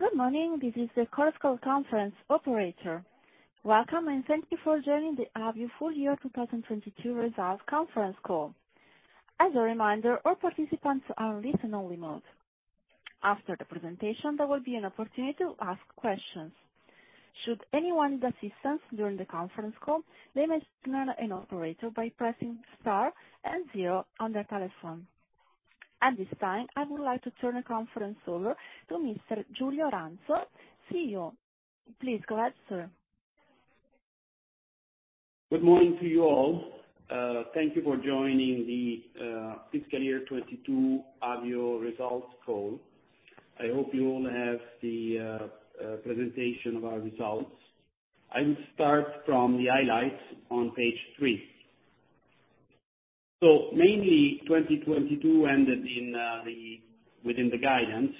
Good morning. This is the conference call operator. Welcome, and thank you for joining the Avio full year 2022 results conference call. As a reminder, all participants are in listen-only mode. After the presentation, there will be an opportunity to ask questions. Should anyone need assistance during the conference call, they may signal an operator by pressing star and zero on their telephone. At this time, I would like to turn the conference over to Mr. Giulio Ranzo, CEO. Please go ahead, sir. Good morning to you all. Thank you for joining the fiscal year 2022 Avio results call. I hope you all have the presentation of our results. I will start from the highlights on page three. Mainly, 2022 ended within the guidance,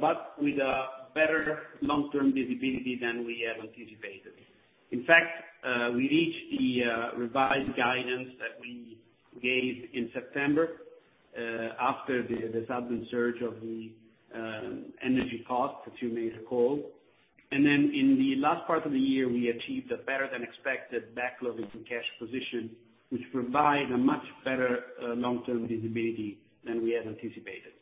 but with a better long-term visibility than we had anticipated. In fact, we reached the revised guidance that we gave in September, after the sudden surge of the energy costs that you made the call. In the last part of the year, we achieved a better than expected backlog into cash position, which provide a much better long-term visibility than we had anticipated.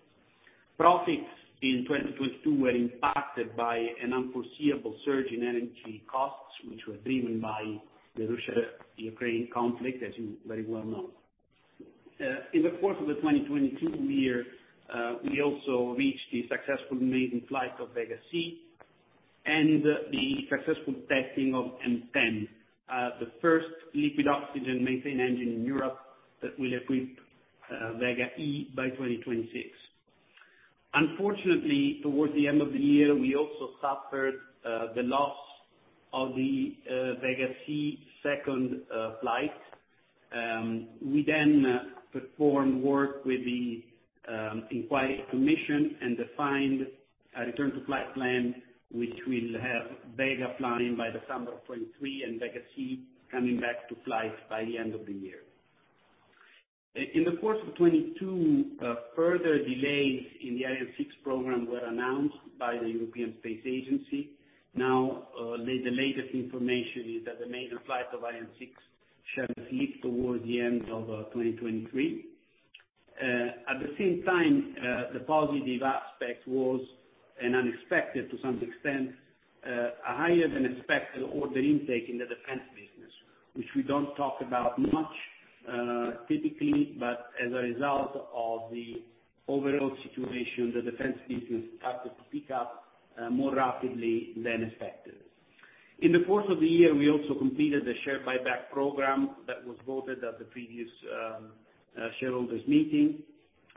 Profits in 2022 were impacted by an unforeseeable surge in energy costs, which were driven by the Russia-Ukraine conflict, as you very well know. In the course of the 2022 year, we also reached the successful maiden flight of Vega C and the successful testing of M10, the first liquid oxygen methane engine in Europe that will equip Vega E by 2026. Unfortunately, towards the end of the year, we also suffered the loss of the Vega C second flight. We then performed work with the inquiry commission and defined a return to flight plan, which will have Vega flying by the summer of 2023 and Vega C coming back to flight by the end of the year. In the course of 2022, further delays in the Ariane 6 program were announced by the European Space Agency. Now, the latest information is that the maiden flight of Ariane 6 shall slip towards the end of 2023. At the same time, the positive aspect was, and unexpected to some extent, a higher than expected order intake in the defense business, which we don't talk about much, typically, but as a result of the overall situation, the defense business started to pick up more rapidly than expected. In the course of the year, we also completed the share buyback program that was voted at the previous shareholders meeting.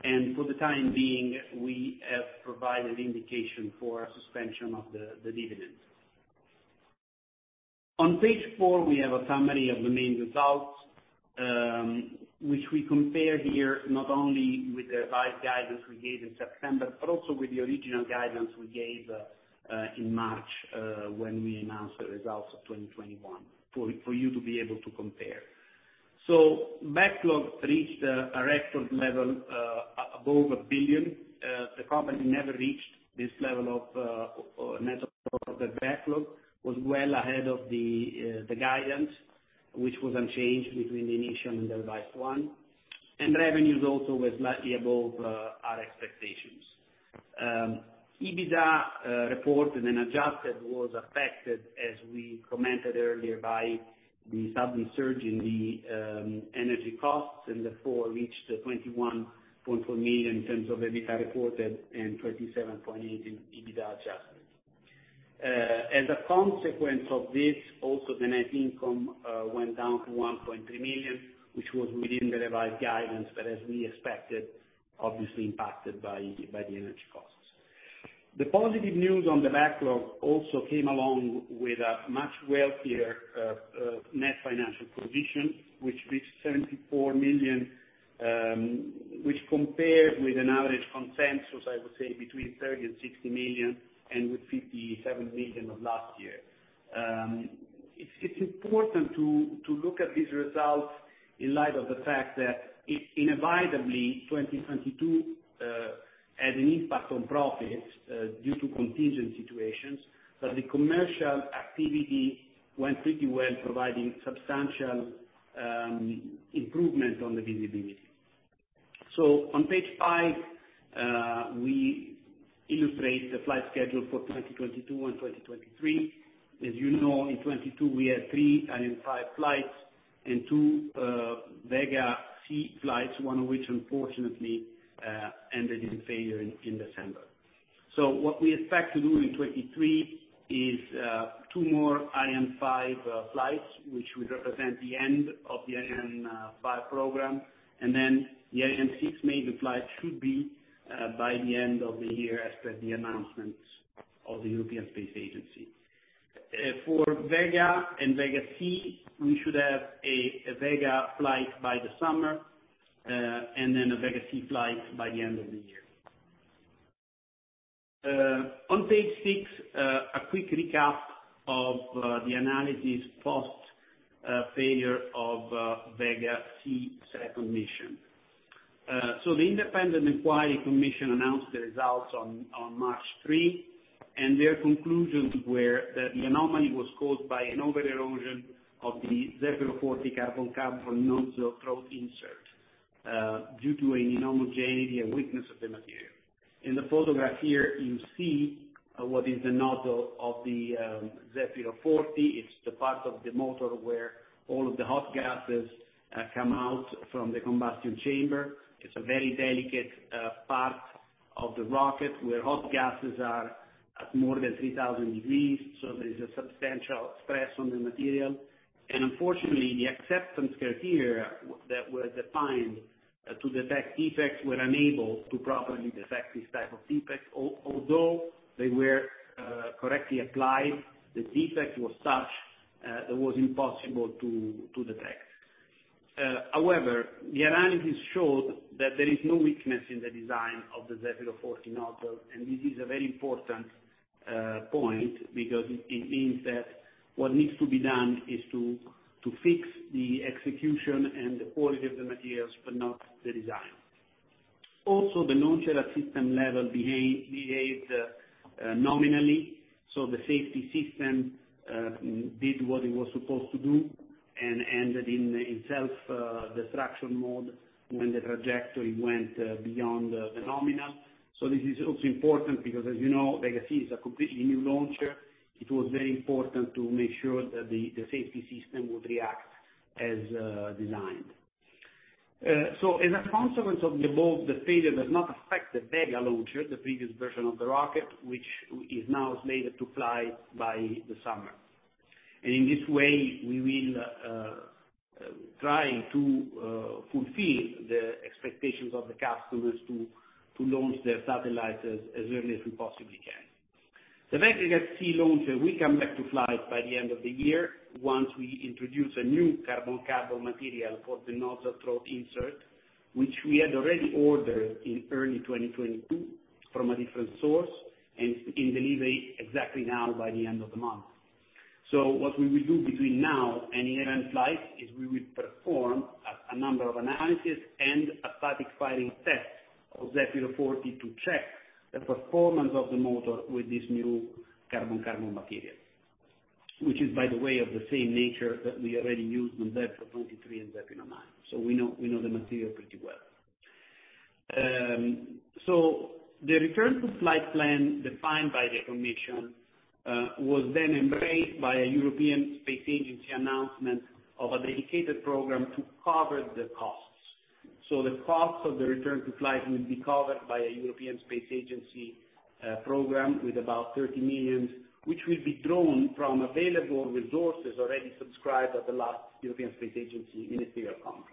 For the time being, we have provided indication for suspension of the dividends. On page four, we have a summary of the main results, which we compare here not only with the revised guidance we gave in September, but also with the original guidance we gave in March, when we announced the results of 2021, for you to be able to compare. Backlog reached a record level above 1 billion. The company never reached this level of net of the backlog. Was well ahead of the guidance, which was unchanged between the initial and the revised one. Revenues also was slightly above our expectations. EBITDA reported and adjusted, was affected, as we commented earlier, by the sudden surge in the energy costs, and therefore, reached 21.4 million in terms of EBITDA reported and 27.8 million in EBITDA adjusted. As a consequence of this, also the net income went down to 1.3 million, which was within the revised guidance, but as we expected, obviously impacted by the energy costs. The positive news on the backlog also came along with a much wealthier net financial position, which reached 74 million, which compared with an average consensus, I would say between 30 million and 60 million and with 57 million of last year. It's important to look at these results in light of the fact that it inevitably, 2022 had an impact on profits due to contingent situations, but the commercial activity went pretty well, providing substantial improvement on the visibility. On page five, we illustrate the flight schedule for 2022 and 2023. As you know, in 2022 we had three Ariane 5 flights and two Vega C flights, one of which unfortunately ended in failure in December. What we expect to do in 2023 is two more Ariane 5 flights, which would represent the end of the Ariane 5 program, and then the Ariane 6 maiden flight should be by the end of the year, as per the announcements of the European Space Agency. For Vega and Vega C, we should have a Vega flight by the summer, and then a Vega C flight by the end of the year. On page six, a quick recap of the analysis post failure of Vega C second mission. The independent inquiry commission announced the results on March 3, and their conclusions were that the anomaly was caused by an over-erosion of the Zefiro 40 carbon-carbon nozzle throat insert, due to a inhomogeneity and weakness of the material. In the photograph here, you see, what is the nozzle of the Zefiro 40. It's the part of the motor where all of the hot gases come out from the combustion chamber. It's a very delicate part of the rocket, where hot gases are at more than 3,000 degrees. There is a substantial stress on the material, and unfortunately, the acceptance criteria that were defined to detect defects were unable to properly detect this type of defect. Although they were correctly applied, the defect was such that was impossible to detect. However, the analysis showed that there is no weakness in the design of the Zefiro 40 nozzle, and this is a very important point because it means that what needs to be done is to fix the execution and the quality of the materials, but not the design. The non-system level behaved nominally, so the safety system did what it was supposed to do and ended in self-destruction mode when the trajectory went beyond the nominal. This is also important because as you know, Vega C is a completely new launcher. It was very important to make sure that the safety system would react as designed. As a consequence of the above, the failure does not affect the Vega launcher, the previous version of the rocket, which is now slated to fly by the summer. In this way, we will try to fulfill the expectations of the customers to launch their satellites as early as we possibly can. The Vega C launcher will come back to flight by the end of the year, once we introduce a new carbon-carbon material for the nozzle throat insert, which we had already ordered in early 2022 from a different source, and in delivery exactly now by the end of the month. What we will do between now and the event flight, is we will perform a number of analyses and a static firing test of Zefiro 40 to check the performance of the motor with this new carbon-carbon material, which is by the way, of the same nature that we already use in Zefiro 23 and Zefiro 9. We know the material pretty well. The return to flight plan defined by the commission was then embraced by a European Space Agency announcement of a dedicated program to cover the costs. The costs of the return to flight will be covered by a European Space Agency program with about 30 million, which will be drawn from available resources already subscribed at the last European Space Agency Ministerial Conference.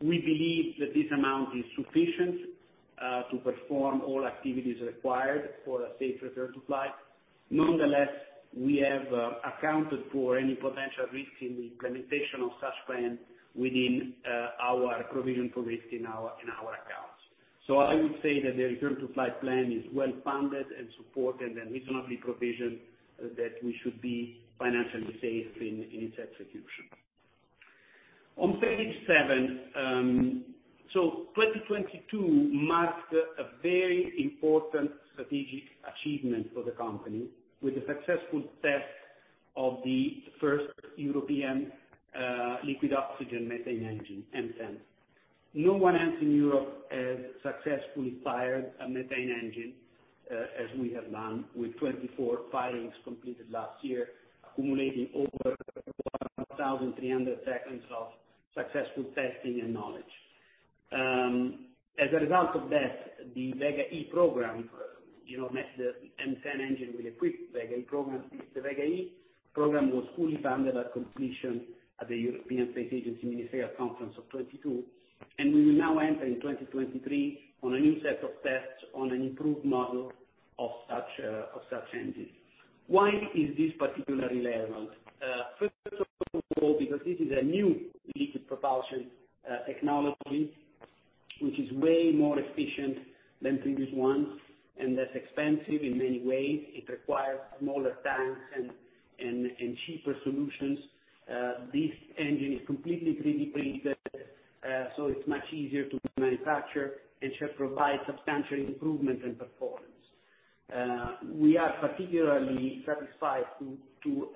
We believe that this amount is sufficient to perform all activities required for a safe return-to-flight. Nonetheless, we have accounted for any potential risk in the implementation of such plan within our provision for risk in our accounts. I would say that the return-to-flight plan is well-funded and supported and reasonably provisioned that we should be financially safe in its execution. On page seven, 2022 marked a very important strategic achievement for the company with the successful test of the first European liquid oxygen-methane engine, M10. No one else in Europe has successfully fired a methane engine as we have done with 24 firings completed last year, accumulating over 1,300 seconds of successful testing and knowledge. As a result of that, the Vega E program, you know, the M10 engine will equip Vega program. The Vega E program was fully funded at completion at the European Space Agency Ministerial Conference of 2022, and we will now enter in 2023 on a new set of tests on an improved model of such, of such engines. Why is this particularly relevant? First of all, because this is a new liquid propulsion technology which is way more efficient than previous ones and less expensive in many ways. It requires smaller tanks and cheaper solutions. This engine is completely 3D printed, so it's much easier to manufacture and should provide substantial improvement in performance. We are particularly satisfied to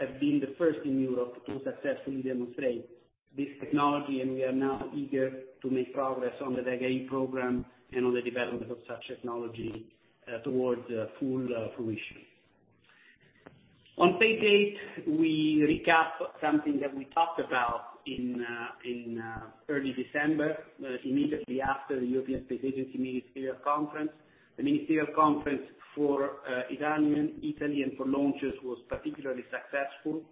have been the first in Europe to successfully demonstrate this technology, and we are now eager to make progress on the Vega E program and on the development of such technology towards full fruition. On page eight, we recap something that we talked about in early December immediately after the European Space Agency Ministerial Conference. The Ministerial Conference for Italy and for launchers was particularly successful.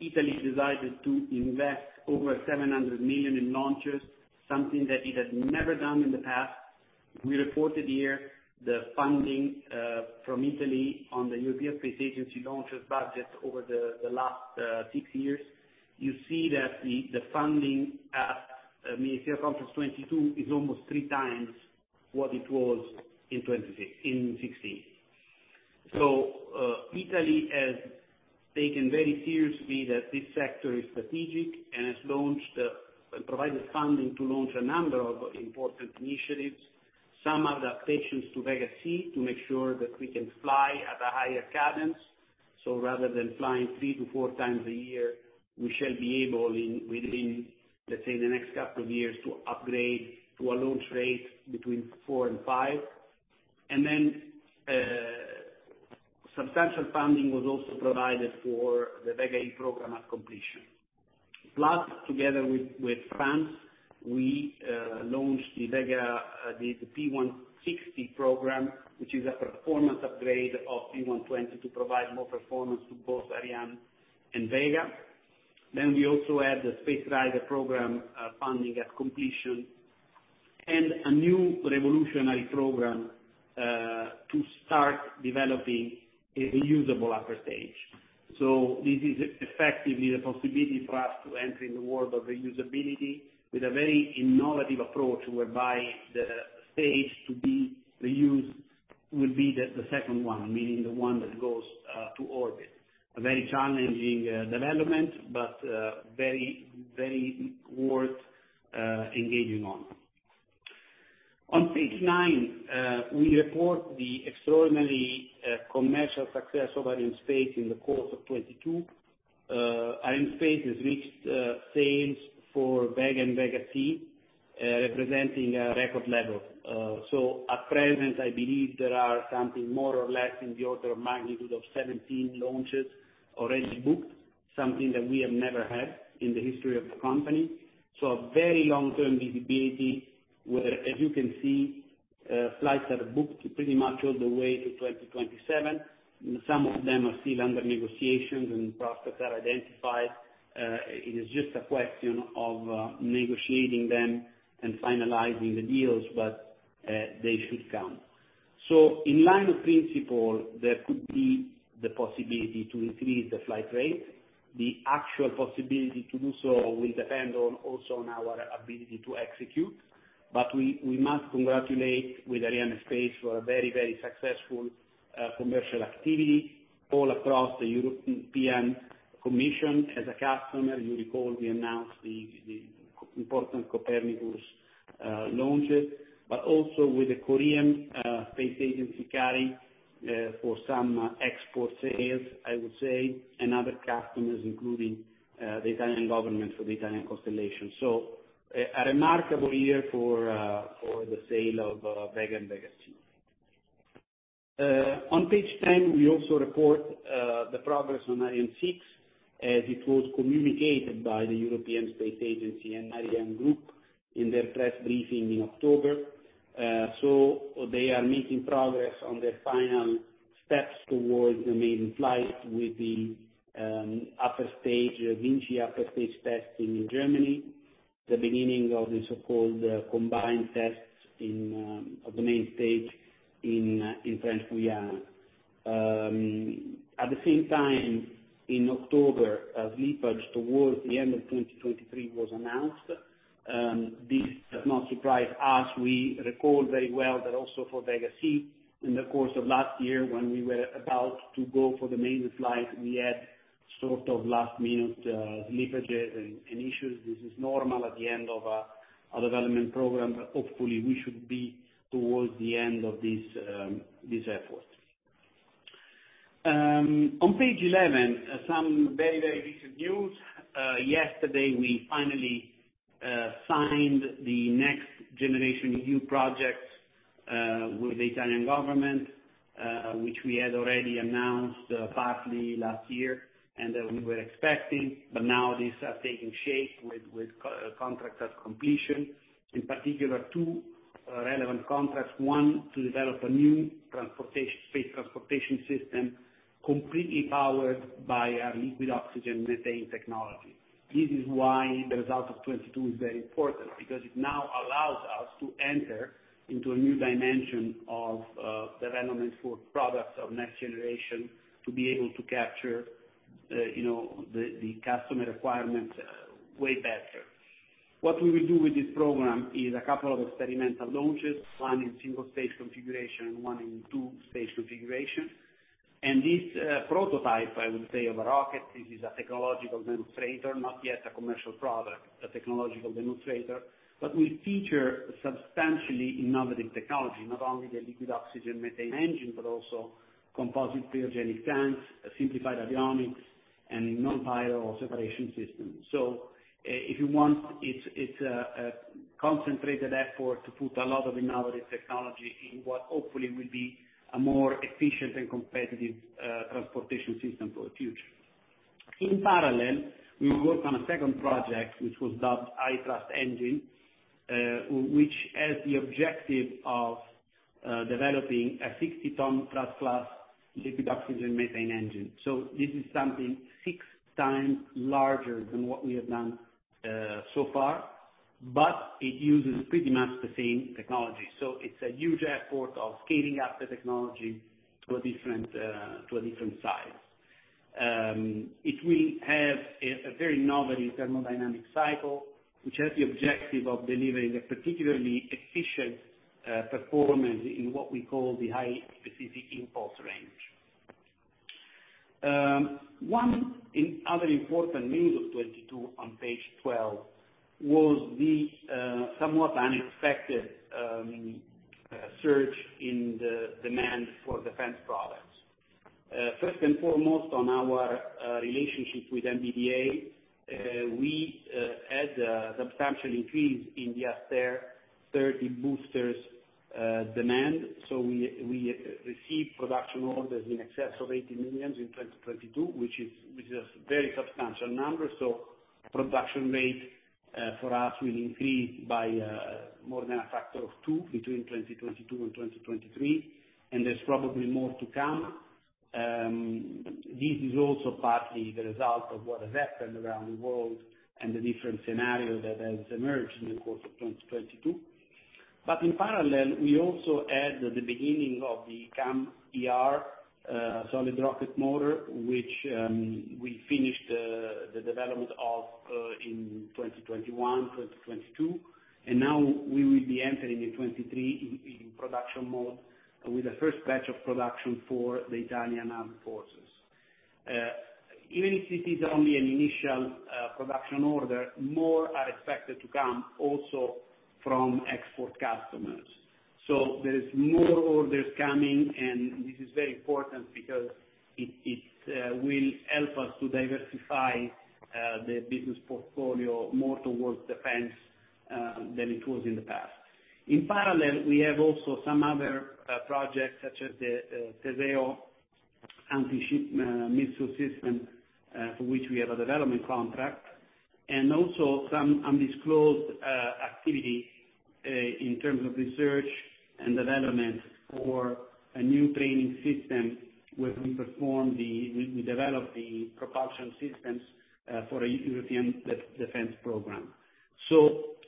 Italy decided to invest over 700 million in launchers, something that it has never done in the past. We reported here the funding from Italy on the European Space Agency launchers budget over the last six years. You see that the funding at Ministerial Conference 2022 is almost 3x what it was in 2016. Italy has taken very seriously that this sector is strategic and has launched and provided funding to launch a number of important initiatives. Some adaptations to Vega C to make sure that we can fly at a higher cadence. Rather than flying 3x-4x a year, we shall be able in, within, let's say, the next couple of years, to upgrade to a launch rate between four and five. Then, substantial funding was also provided for the Vega E program at completion. Together with France, we launched the Vega, the P160C program, which is a performance upgrade of P120C to provide more performance to both Ariane and Vega. We also have the Space Rider program, funding at completion and a new revolutionary program to start developing a reusable upper stage. This is effectively the possibility for us to enter in the world of reusability with a very innovative approach, whereby the stage to be reused will be the second one, meaning the one that goes to orbit. A very challenging development, but very worth engaging on. Page nine, we report the extraordinary commercial success of Arianespace in the course of 2022. Arianespace has reached sales for Vega and Vega C, representing a record level. At present, I believe there are something more or less in the order of magnitude of 17 launches already booked, something that we have never had in the history of the company. A very long-term visibility where, as you can see, flights are booked pretty much all the way to 2027, and some of them are still under negotiations and prospects are identified. It is just a question of negotiating them and finalizing the deals, but they should come. In line of principle, there could be the possibility to increase the flight rate. The actual possibility to do so will depend on, also on our ability to execute. We must congratulate with Arianespace for a very, very successful commercial activity all across the European Commission. As a customer, you recall we announced the important Copernicus launches, but also with the Korean Space Agency, KARI, for some export sales, I would say, and other customers, including the Italian government for the Italian constellation. A remarkable year for the sale of Vega and Vega C. On page 10, we also report the progress on Ariane 6, as it was communicated by the European Space Agency and ArianeGroup in their press briefing in October. They are making progress on their final steps towards the maiden flight with the upper stage, Vinci upper stage testing in Germany. The beginning of the so-called combined tests of the main stage in French Guiana. At the same time, in October, a slippage towards the end of 2023 was announced. This does not surprise us. We recall very well that also for Vega C, in the course of last year when we were about to go for the maiden flight, we had sort of last minute slippages and issues. This is normal at the end of a development program. Hopefully we should be towards the end of this effort. On page 11, some very, very recent news. Yesterday we finally signed the NextGenerationEU project with the Italian government, which we had already announced partly last year and that we were expecting, but now this are taking shape with co-contractor completion. In particular, two relevant contracts, one, to develop a new transportation, space transportation system completely powered by a liquid oxygen methane technology. This is why the result of 2022 is very important, because it now allows us to enter into a new dimension of development for products of next generation to be able to capture, you know, the customer requirements way better. What we will do with this program is a couple of experimental launches, one in single stage configuration and one in two stage configuration. This prototype, I would say, of a rocket, this is a technological demonstrator, not yet a commercial product. A technological demonstrator, but will feature substantially innovative technology, not only the liquid oxygen methane engine, but also composite cryogenic tanks, a simplified avionics and a non-pyro separation system. If you want, it's a concentrated effort to put a lot of innovative technology in what hopefully will be a more efficient and competitive transportation system for the future. In parallel, we work on a second project, which was dubbed High Thrust Engine, which has the objective of developing a 60 ton thrust class liquid oxygen methane engine. This is something 6x larger than what we have done so far, but it uses pretty much the same technology. It's a huge effort of scaling up the technology to a different, to a different size. It will have a very novel thermodynamic cycle, which has the objective of delivering a particularly efficient performance in what we call the high specific impulse range. One in other important news of 2022 on page 12 was the somewhat unexpected surge in the demand for defense products. First and foremost, on our relationship with MBDA, we had a substantial increase in the Aster 30 boosters demand. We received production orders in excess of 80 million in 2022, which is a very substantial number. Production rate for us will increase by more than a factor of two between 2022 and 2023, and there's probably more to come. This is also partly the result of what has happened around the world and the different scenario that has emerged in the course of 2022. In parallel, we also had the beginning of the CAMM-ER solid rocket motor, which we finished the development of in 2021, 2022, and now we will be entering in 2023 in production mode with the first batch of production for the Italian Armed Forces. Even if it is only an initial production order, more are expected to come also from export customers. There is more orders coming, and this is very important because it will help us to diversify the business portfolio more towards defense than it was in the past. In parallel, we have also some other projects such as the Teseo anti-ship missile system for which we have a development contract, and also some undisclosed activity in terms of research and development for a new training system where we develop the propulsion systems for a European defense program.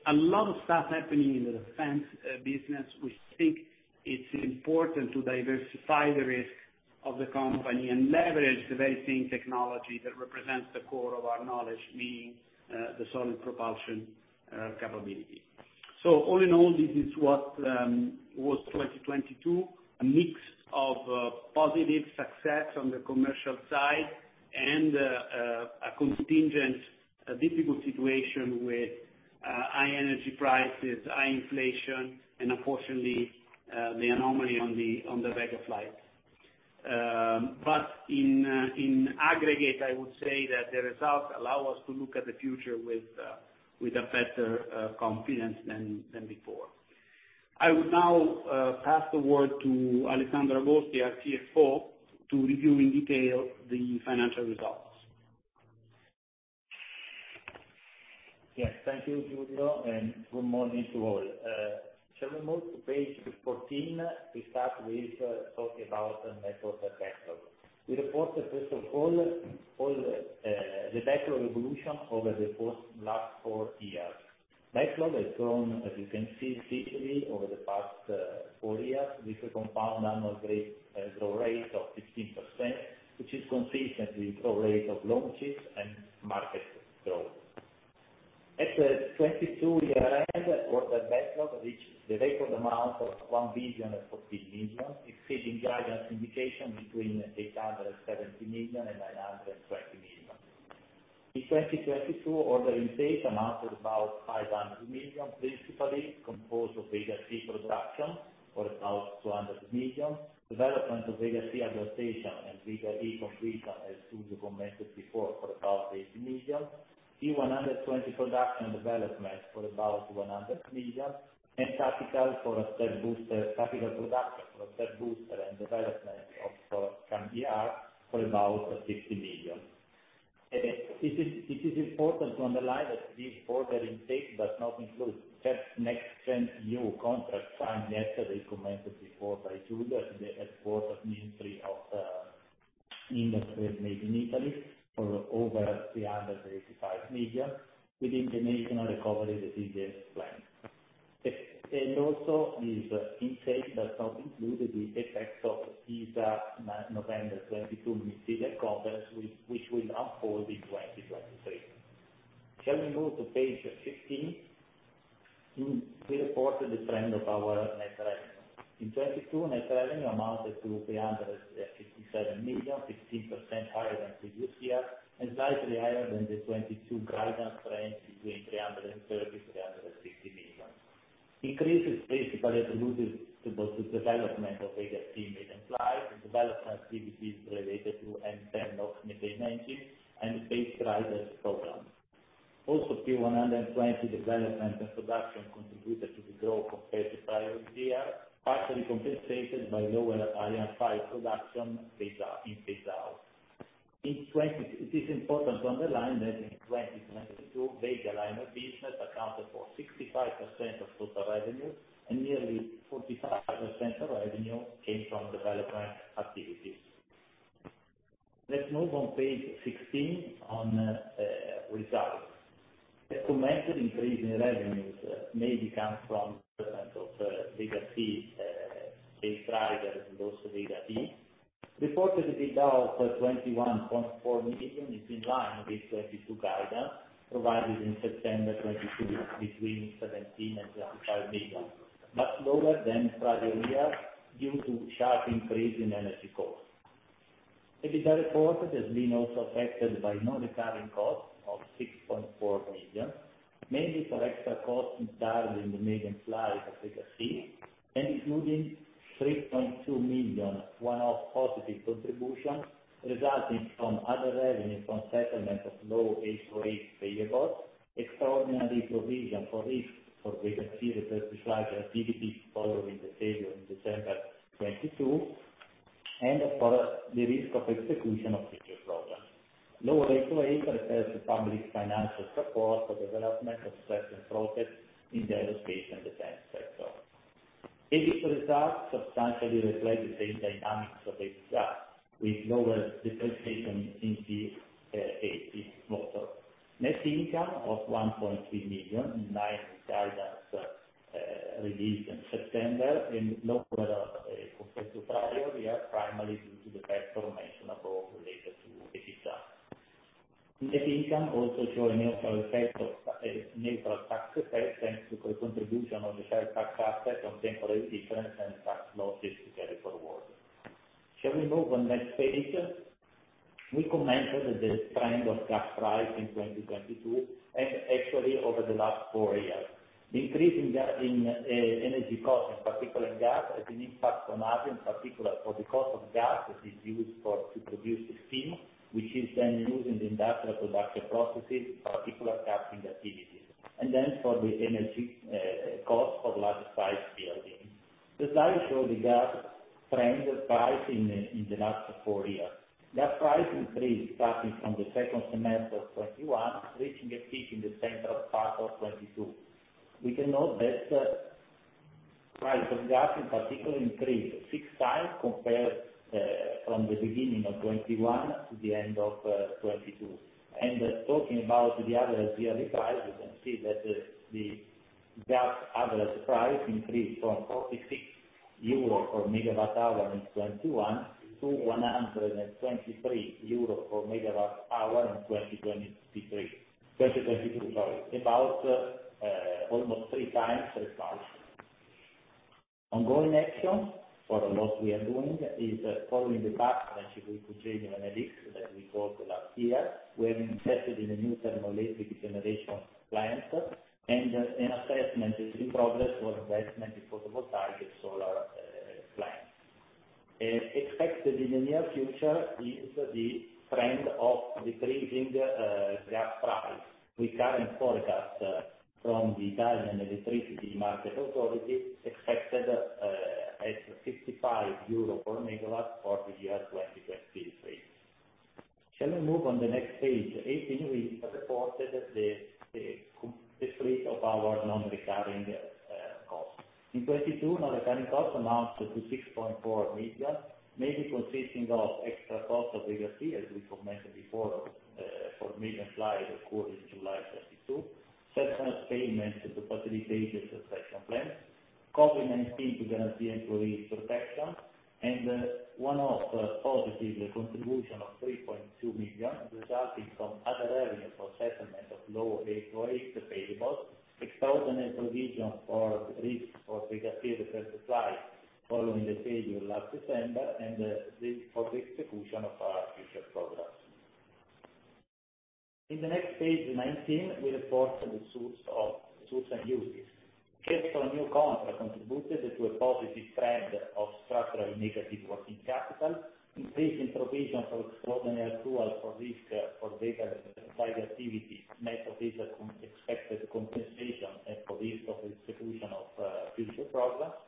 A lot of stuff happening in the defense business. We think it's important to diversify the risk of the company and leverage the very same technology that represents the core of our knowledge, meaning the solid propulsion capability. All in all, this is what was 2022. A mix of positive success on the commercial side and a contingent, a difficult situation with high energy prices, high inflation, and unfortunately, the anomaly on the Vega flight. In aggregate, I would say that the results allow us to look at the future with a better confidence than before. I will now pass the word to Alessandro Agosti, our CFO, to review in detail the financial results. Yes, thank you, Giulio, good morning to all. Shall we move to page 14? We start with talking about method of backlog. We report the first of all the backlog revolution over the course last four years. Backlog has grown, as you can see, seasonally over the past four years with a compound annual rate growth rate of 15%, which is consistent with growth rate of launches and market growth. At the 2022 year-end, order backlog reached the record amount of 1.040 billion, exceeding guidance indication between 870 million and 920 million. In 2022, order intake amounted about 500 million, principally composed of Vega C production for about 200 million. Development of Vega C adaptation and Vega E completion, as Giulio commented before, for about 80 million. P120 production and development for about 100 million, tactical production for a step booster and development of CAMM-ER for about 60 million. It is important to underline that this order intake does not include that next gen new contract signed yesterday commented before by Giulio, the Ministry of Enterprises and Made in Italy for over 385 million within the National Recovery and Resilience Plan. Also this intake does not include the effect of ESA November 2022 Ministerial Conference which will unfold in 2023. Shall we move to page 15? We reported the trend of our net revenue. In 2022, net revenue amounted to 357 million, 15% higher than previous year, and slightly higher than the 2022 guidance range between 330 million-350 million. Increases basically attributed to both the development of Vega and flight and development activities related to M10, Zefiro 9, and Space Rider program. Also, P120C development and production contributed to the growth compared to prior year, partially compensated by lower Ariane 5 production Vega. It is important to underline that in 2022, Vega lineup business accounted for 65% of total revenue, and nearly 45% of revenue came from development activities. Let's move on page 16 on results. The commented increase in revenues mainly comes from development of Vega C base driver and also Vega E. Reported EBITDA of 21.4 million is in line with 2022 guidance, provided in September 2022 between 17 million and 25 million, much lower than prior year due to sharp increase in energy costs. EBITDA reported has been also affected by non-recurring costs of 6.4 million, mainly for extra costs incurred in the maintenance slide of Vega C, and including 3.2 million one-off positive contribution resulting from other revenue from settlement of Law 808/85 payables, extraordinary provision for risk for Vega C reference slide activity following the failure in December 2022, and for the risk of execution of future programs. Law 808/85 refers to public financial support for development of certain projects in the aerospace and defense sector. EBIT results substantially reflect the same dynamics of EBITDA, with lower depreciation in the EBIT also. Net income of 1.3 million, in line with guidance, released in September, and lower than compared to prior year, primarily due to the factor mentioned above related to EBITDA. Net income also show a neutral effect of a neutral tax effect, thanks to the contribution of the shared tax asset on temporary difference and tax losses carried forward. Shall we move on next page? We commented the trend of gas price in 2022, actually over the last four years. The increase in energy cost, in particular in gas, has an impact on us, in particular for the cost of gas, which is used for, to produce the steam, which is then used in the industrial production processes, particular casting activities, and then for the energy cost for large size buildings. The slide show the gas trend price in the last four years. Gas price increase starting from the second semester of 2021, reaching a peak in the central part of 2022. We can note that price of gas in particular increased 6x compared from the beginning of 2021 to the end of 2022. Talking about the average yearly price, you can see that the gas average price increased from 46 euro per MWh in 2021, to 123 euro per MWh in 2023, 2022, sorry, about almost 3x as much. Ongoing action for what we are doing is following the partnership with Cogenio and Enel X that we talked about here. We have invested in a new thermal electric generation plant, and an assessment is in progress for investment in photovoltaic solar plants. Expected in the near future is the trend of decreasing gas price, with current forecast from the Italian Electricity Market Authority expected at 55 euro per MW for the year 2023. Shall we move on the next page? 18, we reported the suite of our non-recurring costs. In 2022, non-recurring costs amounts to 6.4 million, mainly consisting of extra costs of Vega C, as we commented before, for maintenance slide occurred in July 2022. Certain payments to facilitate cessation plans. COVID-19 to guarantee employee protection. One off positive contribution of 3.2 million resulting from other areas for settlement of Law 808/85, extraordinary provision for risk for Vega C reference slide following the failure last December, for the execution of our future programs. In the next page, 19, we report the source and uses. Cash from new contract contributed to a positive trend of structural negative working capital. Increase in provision for extraordinary tool for risk for Vega reference slide activity, net of expected compensation, and provision for the execution of future programs.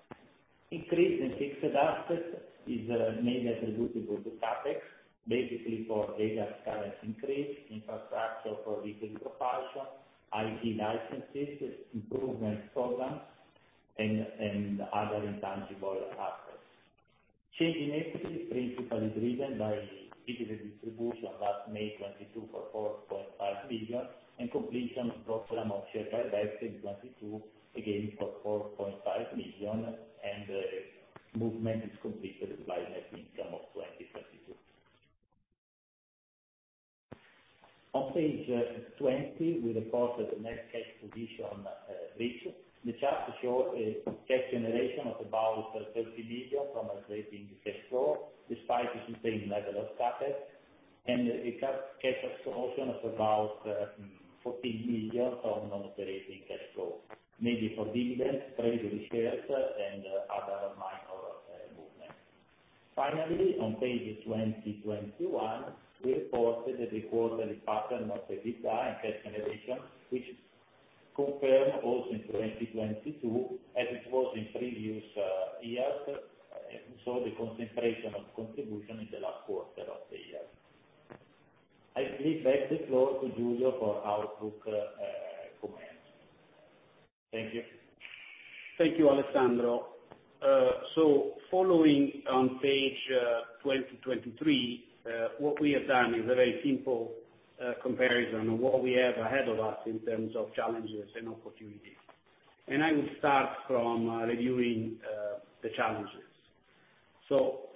Increase in fixed assets is mainly attributable to CapEx, basically for data centers increase, infrastructure for digital propulsion, IT licenses, improvement programs, and other intangible assets. Change in equity is principally driven by dividend distribution last May 2022 for 4.5 million, and completion of program of share buyback in 2022, again for 4.5 million, and the movement is completed by net income of 2022. On page 20, we report the net cash position reached. The chart show a cash generation of about 30 million from operating cash flow, despite maintaining level of CapEx. A cash absorption of about EUR 14 million from non-operating cash flow, mainly from dividends, treasury shares, and other minor movement. On page 21, we reported the quarterly pattern of EBITDA and cash generation, which confirm also in 2022 as it was in previous years. The concentration of contribution in the last quarter of the year. I give back the floor to Giulio for outlook. Thank you. Thank you, Alessandro. Following on page 23, what we have done is a very simple comparison of what we have ahead of us in terms of challenges and opportunities. I will start from reviewing the challenges.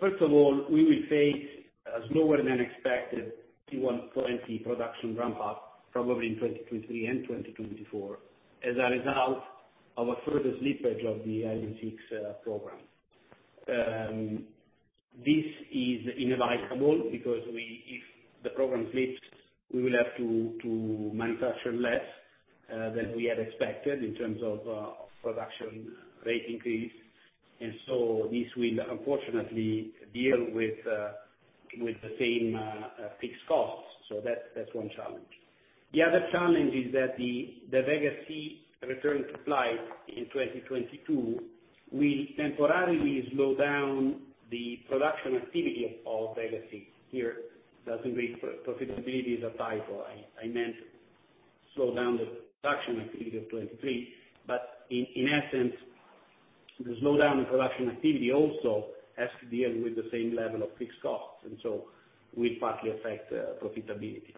First of all, we will face a slower than expected P120 production ramp up, probably in 2023 and 2024, as a result of a further slippage of the Ariane 6 program. This is inevitable because if the program slips, we will have to manufacture less than we had expected in terms of production rate increase. This will unfortunately deal with the same fixed costs. That's one challenge. The other challenge is that the Vega C return to flight in 2022, we temporarily slow down the production activity of all Vega C. Here, the degree for profitability is applied for, I mentioned. Slow down the production activity of 2023, but in essence, the slowdown in production activity also has to deal with the same level of fixed costs, and so will partly affect profitability.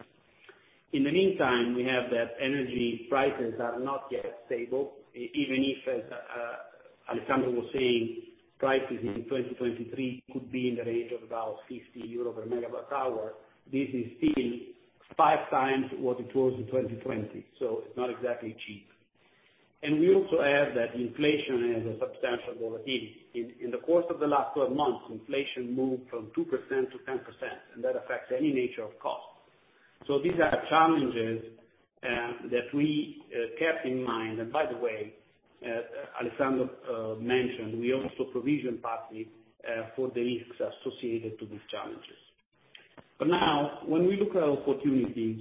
In the meantime, we have that energy prices are not yet stable even if as Alessandro was saying, prices in 2023 could be in the range of about 50 euro per MWh. This is still 5x what it was in 2020, so it's not exactly cheap. We also add that inflation is a substantial volatility. In the course of the last 12 months, inflation moved from 2%-10%, and that affects any nature of cost. These are challenges that we kept in mind. By the way, Alessandro mentioned, we also provision partly for the risks associated to these challenges. Now when we look at opportunities,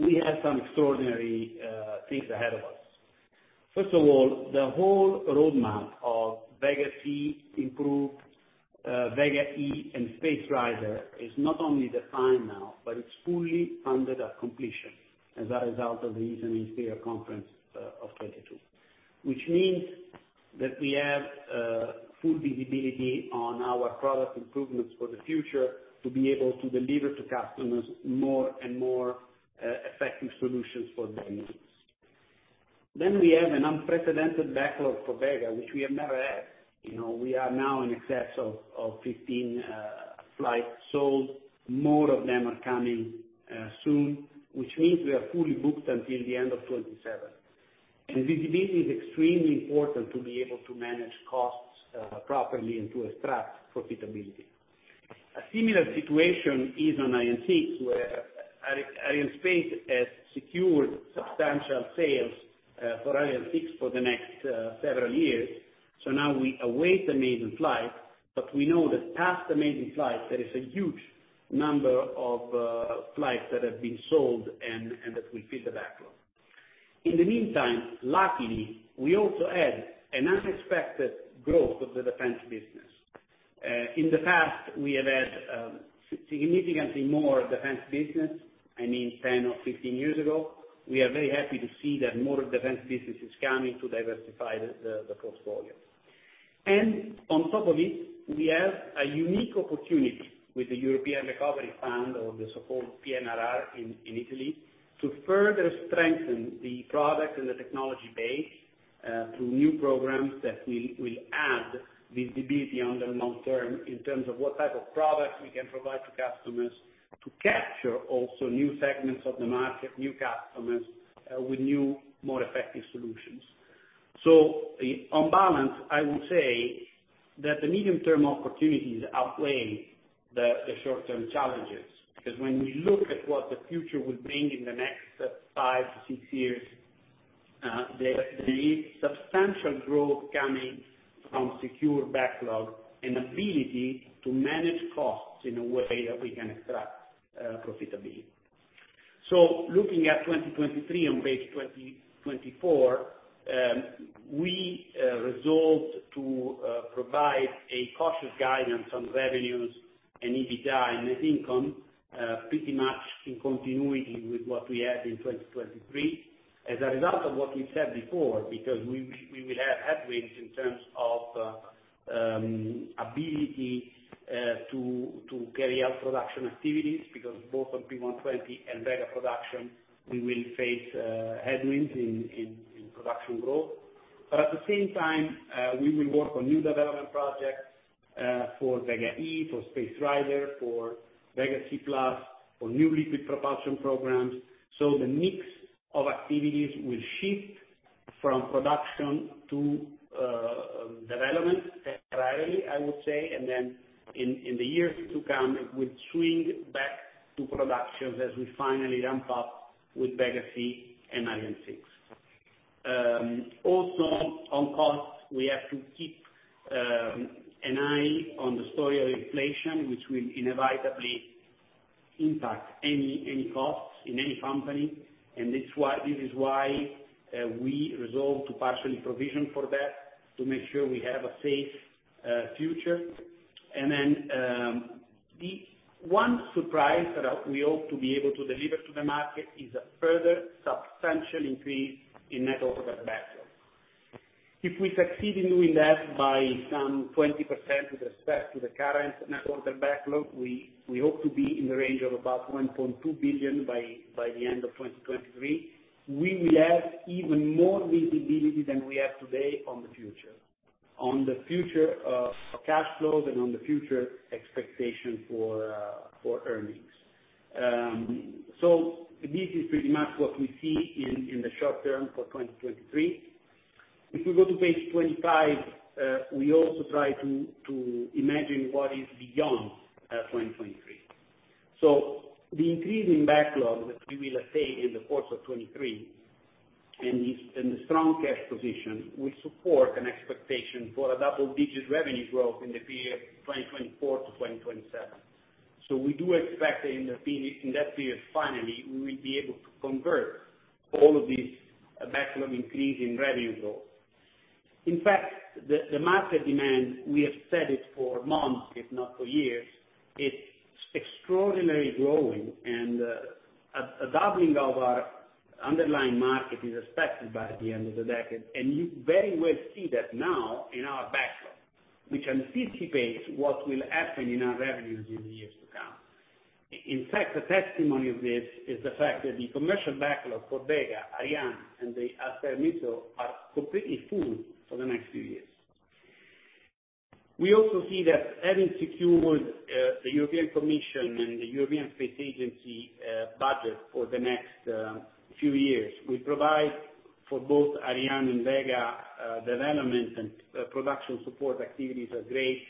we have some extraordinary things ahead of us. First of all, the whole roadmap of Vega C improved, Vega E, and Space Rider is not only defined now, but it's fully funded at completion as a result of the recent Investor Conference of 2022. Which means that we have full visibility on our product improvements for the future to be able to deliver to customers more and more effective solutions for their needs. We have an unprecedented backlog for Vega, which we have never had. You know, we are now in excess of 15 flights sold. More of them are coming soon, which means we are fully booked until the end of 2027. Visibility is extremely important to be able to manage costs properly and to extract profitability. A similar situation is on Ariane 6, where Arianespace has secured substantial sales for Ariane 6 for the next several years. Now we await the maiden flight, we know that past the maiden flight, there is a huge number of flights that have been sold and that will feed the backlog. In the meantime, luckily, we also had an unexpected growth of the defense business. In the past, we have had significantly more defense business, I mean 10 years or 15 years ago. We are very happy to see that more defense business is coming to diversify the portfolio. On top of it, we have a unique opportunity with the European Recovery Fund or the so-called PNRR in Italy, to further strengthen the product and the technology base through new programs that will add visibility on the long term in terms of what type of products we can provide to customers to capture also new segments of the market, new customers, with new, more effective solutions. On balance, I would say that the medium-term opportunities outweigh the short-term challenges. When we look at what the future will bring in the next five to six years, there is substantial growth coming from secure backlog and ability to manage costs in a way that we can extract profitability. Looking at 2023 on page 24, we resolve to provide a cautious guidance on revenues and EBITDA net income, pretty much in continuity with what we had in 2023. As a result of what we said before, because we will have headwinds in terms of ability to carry out production activities. Both on P120 and Vega production, we will face headwinds in production growth. At the same time, we will work on new development projects for Vega E, for Space Rider, for Vega C+, for new liquid propulsion programs. The mix of activities will shift from production to development temporarily, I would say. In the years to come, it will swing back to productions as we finally ramp up with Vega C and Ariane 6. Also on cost, we have to keep an eye on the story of inflation, which will inevitably impact any costs in any company. This why, this is why we resolve to partially provision for that to make sure we have a safe future. The one surprise that we hope to be able to deliver to the market is a further substantial increase in net order backlog. If we succeed in doing that by some 20% with respect to the current net order backlog, we hope to be in the range of about 1.2 billion by the end of 2023. We will have even more visibility than we have today on the future, cash flows and on the future expectation for earnings. This is pretty much what we see in the short term for 2023. If we go to page 25, we also try to imagine what is beyond 2023. The increasing backlog that we will attain in the course of 2023, and the strong cash position will support an expectation for a double digit revenue growth in the period 2024-2027. We do expect in the period, in that period, finally, we will be able to convert all of this backlog increase in revenue growth. In fact, the market demand, we have said it for months, if not for years, it's extraordinarily growing. A doubling of our underlying market is expected by the end of the decade. You very well see that now in our backlog, which anticipates what will happen in our revenues in the years to come. In fact, the testimony of this is the fact that the commercial backlog for Vega, Ariane and the Aster missile are completely full for the next few years. We also see that having secured the European Commission and the European Space Agency budget for the next few years, we provide for both Ariane and Vega development and production support activities a great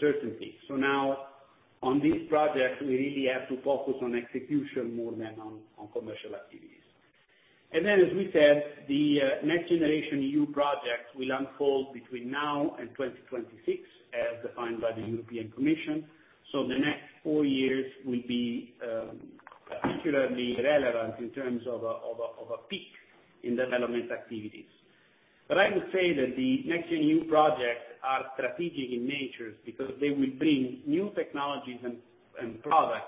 certainty. Now on this project, we really have to focus on execution more than on commercial activities. As we said, the NextGenerationEU projects will unfold between now and 2026, as defined by the European Commission. The next four years will be particularly relevant in terms of a peak in development activities. I would say that the NextGenEU projects are strategic in nature because they will bring new technologies and products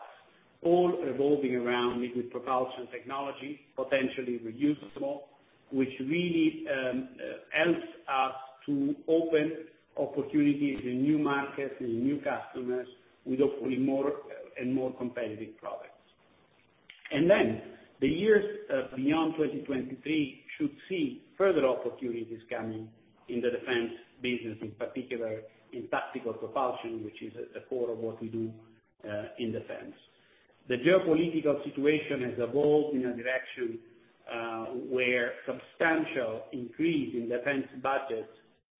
all revolving around liquid propulsion technology, potentially reusable, which really helps us to open opportunities in new markets and new customers with hopefully more and more competitive products. The years beyond 2023 should see further opportunities coming in the defense business, in particular in tactical propulsion, which is at the core of what we do in defense. The geopolitical situation has evolved in a direction where substantial increase in defense budgets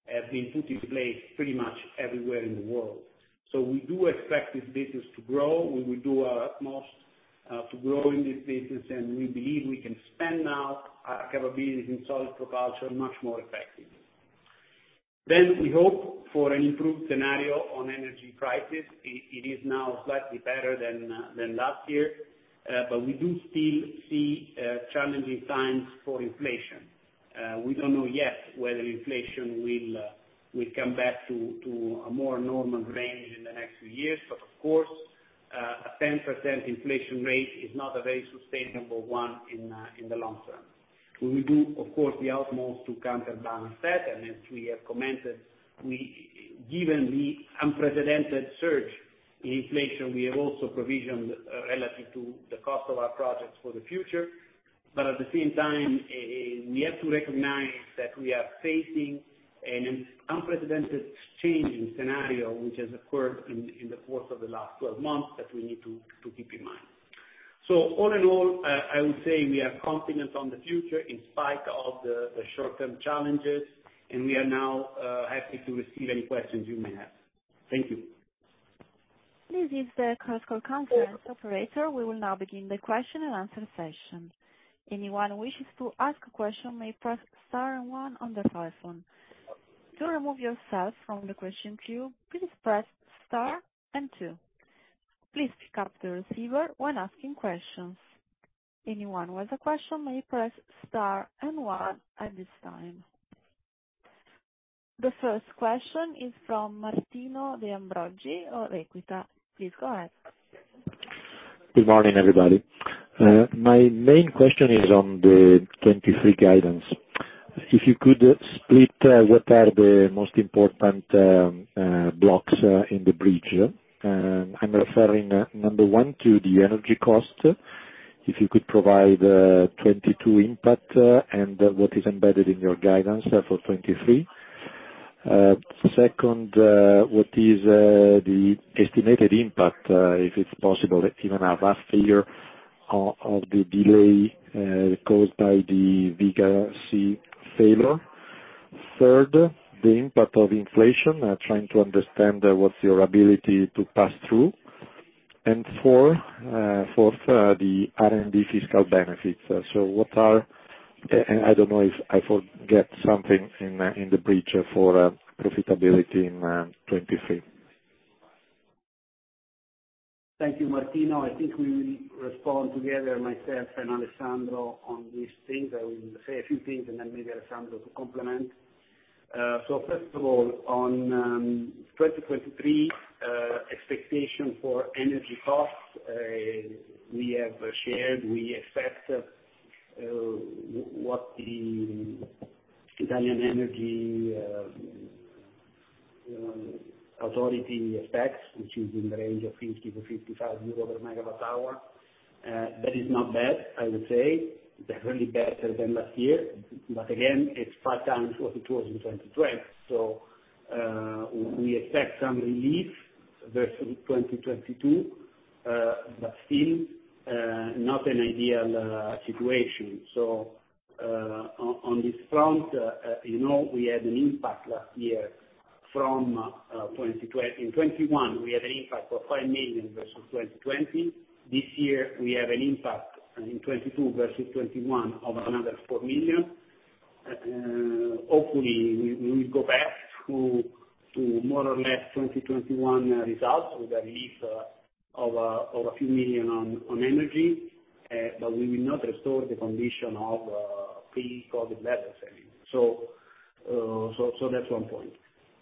have been put in place pretty much everywhere in the world. We do expect this business to grow. We will do our utmost to grow in this business, we believe we can spend now our capabilities in solid propulsion much more effectively. We hope for an improved scenario on energy prices. It is now slightly better than than last year. We do still see challenging times for inflation. We don't know yet whether inflation will come back to a more normal range in the next few years. Of course, a 10% inflation rate is not a very sustainable one in the long term. We will do, of course, the utmost to counterbalance that. As we have commented, given the unprecedented surge in inflation, we have also provisioned relative to the cost of our projects for the future. At the same time, we have to recognize that we are facing an unprecedented changing scenario, which has occurred in the course of the last 12 months that we need to keep in mind. All in all, I would say we are confident on the future in spite of the short-term challenges, and we are now happy to receive any questions you may have. Thank you. This is the Chorus Call Conference operator. We will now begin the question and answer session. Anyone who wishes to ask a question may press star and one on their phone. To remove yourself from the question queue, please press star and two. Please pick up the receiver when asking questions. Anyone with a question may press star and one at this time. The first question is from Martino De Ambroggi of Equita. Please go ahead. Good morning, everybody. My main question is on the 2023 guidance. If you could split what are the most important blocks in the bridge. I'm referring number one to the energy cost, if you could provide 2022 input and what is embedded in your guidance for 2023. Second, what is the estimated impact, if it's possible, even a rough figure of the delay caused by the Vega C failure? Third, the impact of inflation, trying to understand what's your ability to pass through. Fourth, the R&D fiscal benefits. I don't know if I forget something in the bridge for profitability in 2023. Thank you, Martino. I think we will respond together, myself and Alessandro, on these things. I will say a few things and then maybe Alessandro to complement. First of all, on 2023 expectation for energy costs, we have shared, we expect what the Italian energy authority expects, which is in the range of 50 per MWh-55 per MWh. That is not bad, I would say. Definitely better than last year. Again, it's five times what it was in 2020. We expect some relief versus 2022, but still not an ideal situation. On this front, you know, we had an impact last year from 2021, we had an impact of 5 million versus 2020. This year we have an impact in 2022 versus 2021 of another 4 million. Hopefully we go back to more or less 2021 results with a release of EUR a few million on energy. We will not restore the condition of pre-COVID levels, I mean. That's one point.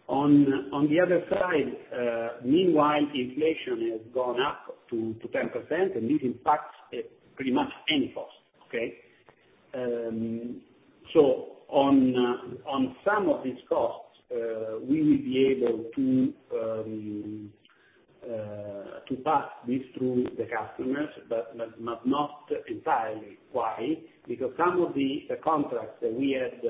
On the other side, meanwhile, inflation has gone up to 10%, this impacts pretty much any cost. Okay? On some of these costs, we will be able to pass this through the customers, not entirely. Why? Because some of the contracts that we had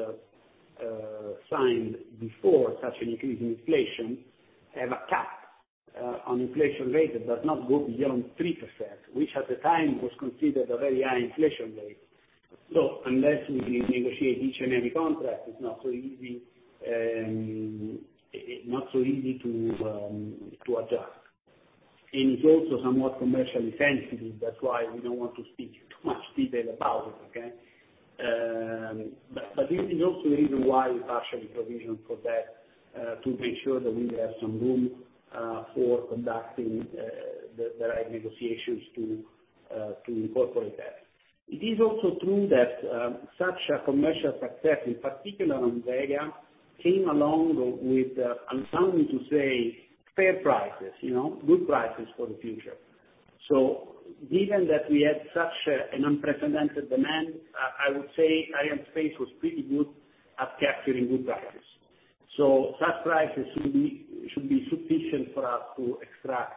signed before such an increase in inflation have a cap on inflation rate that does not go beyond 3%, which at the time was considered a very high inflation rate. Unless we negotiate each and every contract, it's not so easy, it's not so easy to adjust. It's also somewhat commercially sensitive, that's why we don't want to speak too much detail about it, okay? This is also the reason why we partially provisioned for that to make sure that we have some room for conducting the right negotiations to incorporate that. It is also true that, such a commercial success, in particular on Vega, came along with, I'm sounding to say fair prices, you know, good prices for the future. Given that we had such a, an unprecedented demand, I would say Arianespace was pretty good at capturing good prices. Such prices should be sufficient for us to extract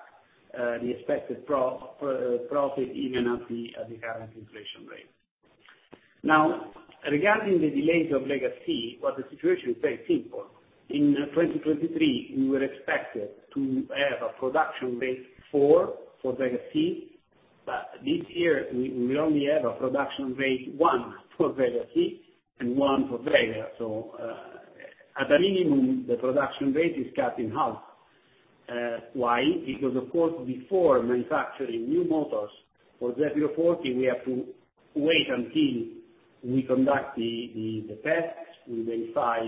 the expected profit even at the current inflation rate. Now, regarding the delays of Vega C, well, the situation is very simple. In 2023, we were expected to have a production rate four for Vega C. This year we only have a production rate one for Vega C and one for Vega. At a minimum, the production rate is cut in half. Why? Of course, before manufacturing new motors for Zefiro 40, we have to wait until we conduct the tests, we verify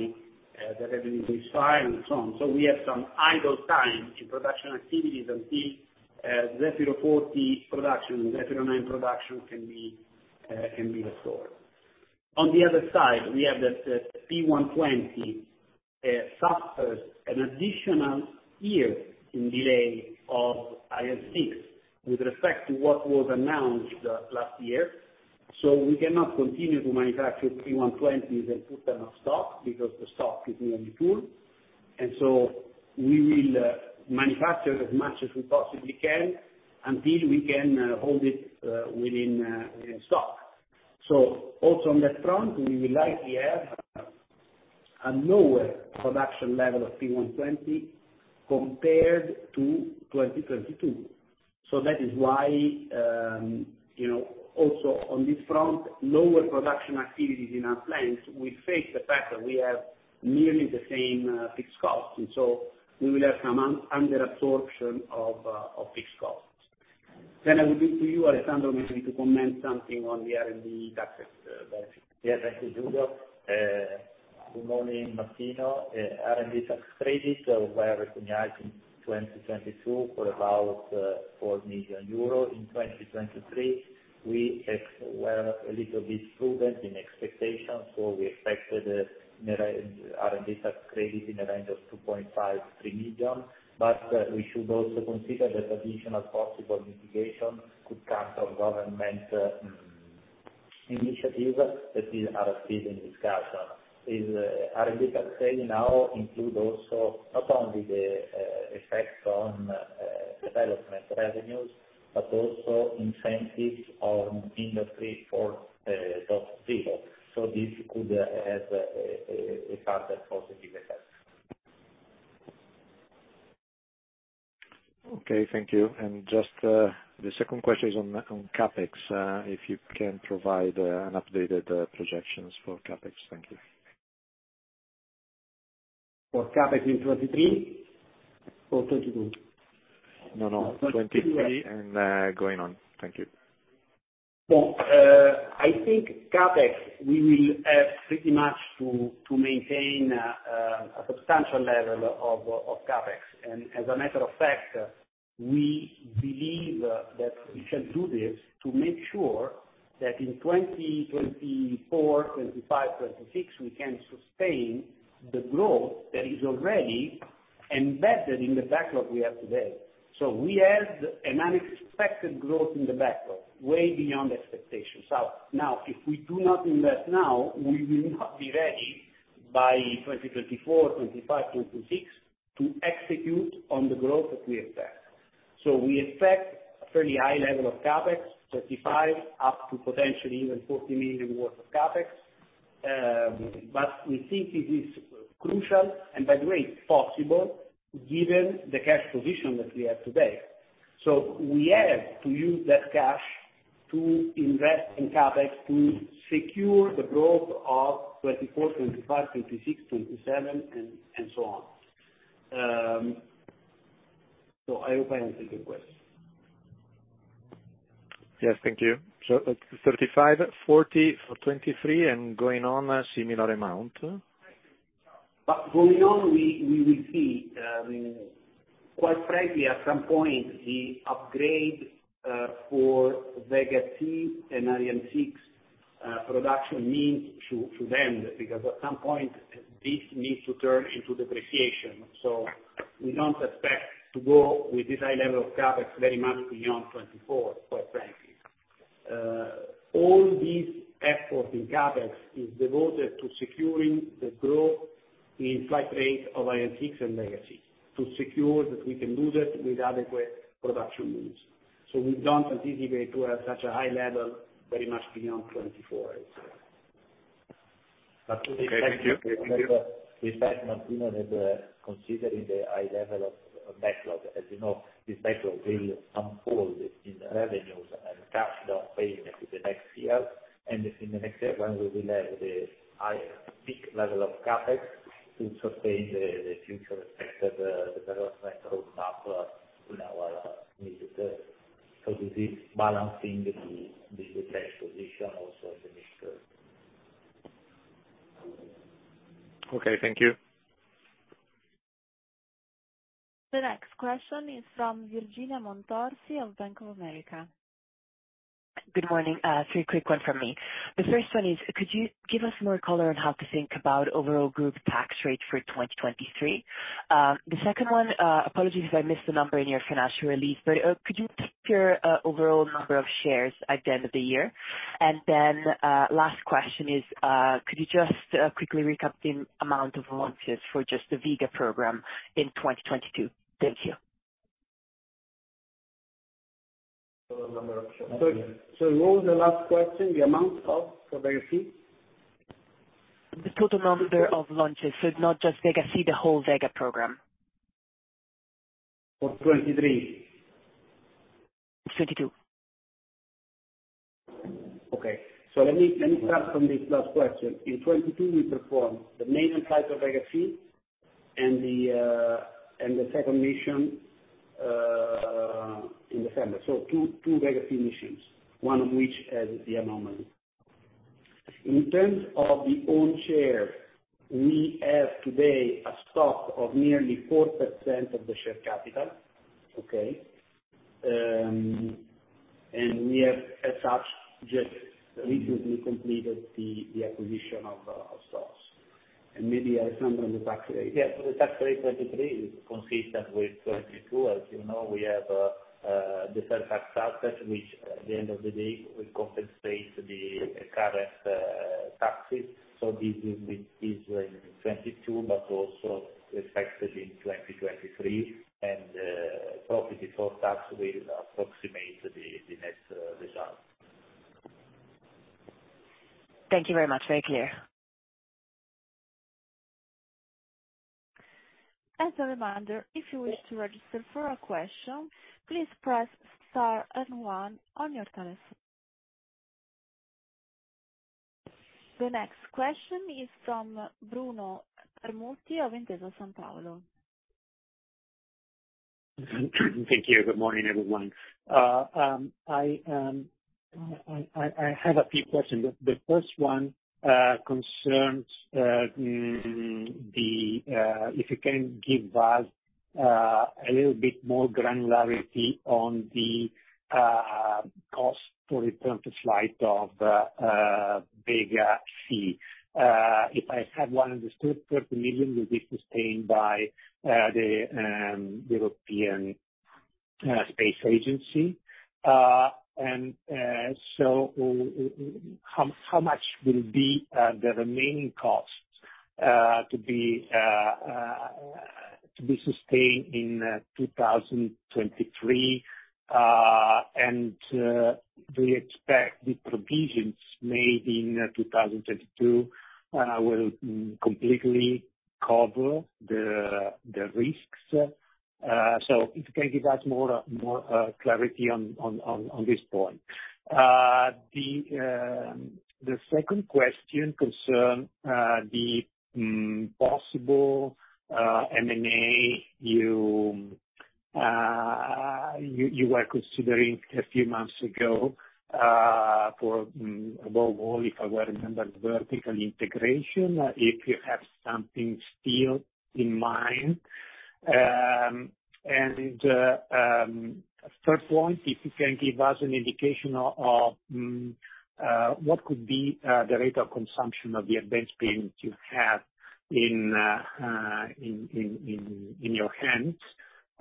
the revenue we signed and so on. We have some idle time to production activities until Zefiro 40 production, Zefiro 9 production can be restored. On the other side, we have that P120C suffers an additional year in delay of Ariane 6 with respect to what was announced last year. We cannot continue to manufacture P120Cs and put them on stock because the stock is nearly full. We will manufacture as much as we possibly can until we can hold it within stock. Also on that front, we will likely have a lower production level of P120C compared to 2022. That is why, you know, also on this front, lower production activities in our plants will face the fact that we have nearly the same fixed costs. We will have some under absorption of fixed costs. I will give to you, Alessandro, maybe to comment something on the R&D tax. Yeah. Thank you, Giulio. Good morning, Martino. R&D tax credit were recognized in 2022 for about 4 million euros. In 2023, we were a little bit prudent in expectations. We expected the R&D tax credit in the range of 2.5 million-3 million. We should also consider that additional possible mitigation could cancel government initiatives that we are still in discussion. These R&D tax credit now include also not only the effect on development revenues, but also incentives on industry for Industry 4.0. This could have a further positive effect. Okay. Thank you. Just the second question is on CapEx, if you can provide an updated projections for CapEx. Thank you. For CapEx in 2023 or 2022? No, no- 2022 and, going on. Thank you. I think CapEx, we will have pretty much to maintain a substantial level of CapEx. As a matter of fact, we believe that we should do this to make sure that in 2024, 2025, 2026 we can sustain the growth that is already embedded in the backlog we have today. We have an unexpected growth in the backlog, way beyond expectations. Now if we do not invest now, we will not be ready by 2024, 2025, 2026 to execute on the growth that we expect. We expect a fairly high level of CapEx, 35 million up to potentially even 40 million worth of CapEx. But we think it is crucial, and by the way, possible, given the cash position that we have today. We have to use that cash to invest in CapEx to secure the growth of 2024, 2026, 2027 and so on. I hope I answered the question. Yes, thank you. 35-40 for 2023 and going on a similar amount? Going on, we will see. Quite frankly, at some point the upgrade for Vega C and Ariane 6 production means to them. Because at some point this needs to turn into depreciation. We don't expect to go with this high level of CapEx very much beyond 2024, quite frankly. All this effort in CapEx is devoted to securing the growth in flight rate of Ariane 6 and Vega C, to secure that we can do that with adequate production means. We don't anticipate to have such a high level very much beyond 2024. Okay. Thank you. The next question is from Virginia Montorsi of Bank of America. Good morning. 3 quick one from me. The first one is could you give us more color on how to think about overall group tax rate for 2023? The second one, apologies if I missed the number in your financial release, but, could you take your overall number of shares at the end of the year? Last question is, could you just quickly recap the amount of launches for just the Vega program in 2022? Thank you. What was the last question? The amount of, for Vega C? The total number of launches. It's not just Vega C, the whole Vega program. For 23? Twenty-two. Okay. Let me start from the last question. In 2022 we performed the maiden flight of Vega C and the second mission in December. Two Vega C missions, one of which has the anomaly. In terms of the own shares, we have today a stock of nearly 4% of the share capital. Okay? We have as such just recently completed the acquisition of Thales. Maybe, Alessandro, the tax rate? Yeah, the tax rate 2023 is consistent with 2022. As you know, we have deferred tax assets, which at the end of the day will compensate the current taxes. This will be easier in 2022 but also expected in 2023. Profit before tax will approximate the net result. Thank you very much. Very clear. As a reminder, if you wish to register for a question, please press star and one on your telephone. The next question is from Bruno Carmosino of Intesa Sanpaolo. Thank you. Good morning, everyone. I have a few questions. The first one concerns the if you can give us a little bit more granularity on the cost for return-to-flight of Vega C. If I have one understood, 30 million will be sustained by the European Space Agency. How much will be the remaining cost to be sustained in 2023? Do you expect the provisions made in 2022 will completely cover the risks? If you can give us more clarity on this point. The second question concern the possible M&A you were considering a few months ago, for above all, if I well remember, vertical integration, if you have something still in mind. First point, if you can give us an indication of what could be the rate of consumption of the advance payment you have in your hands.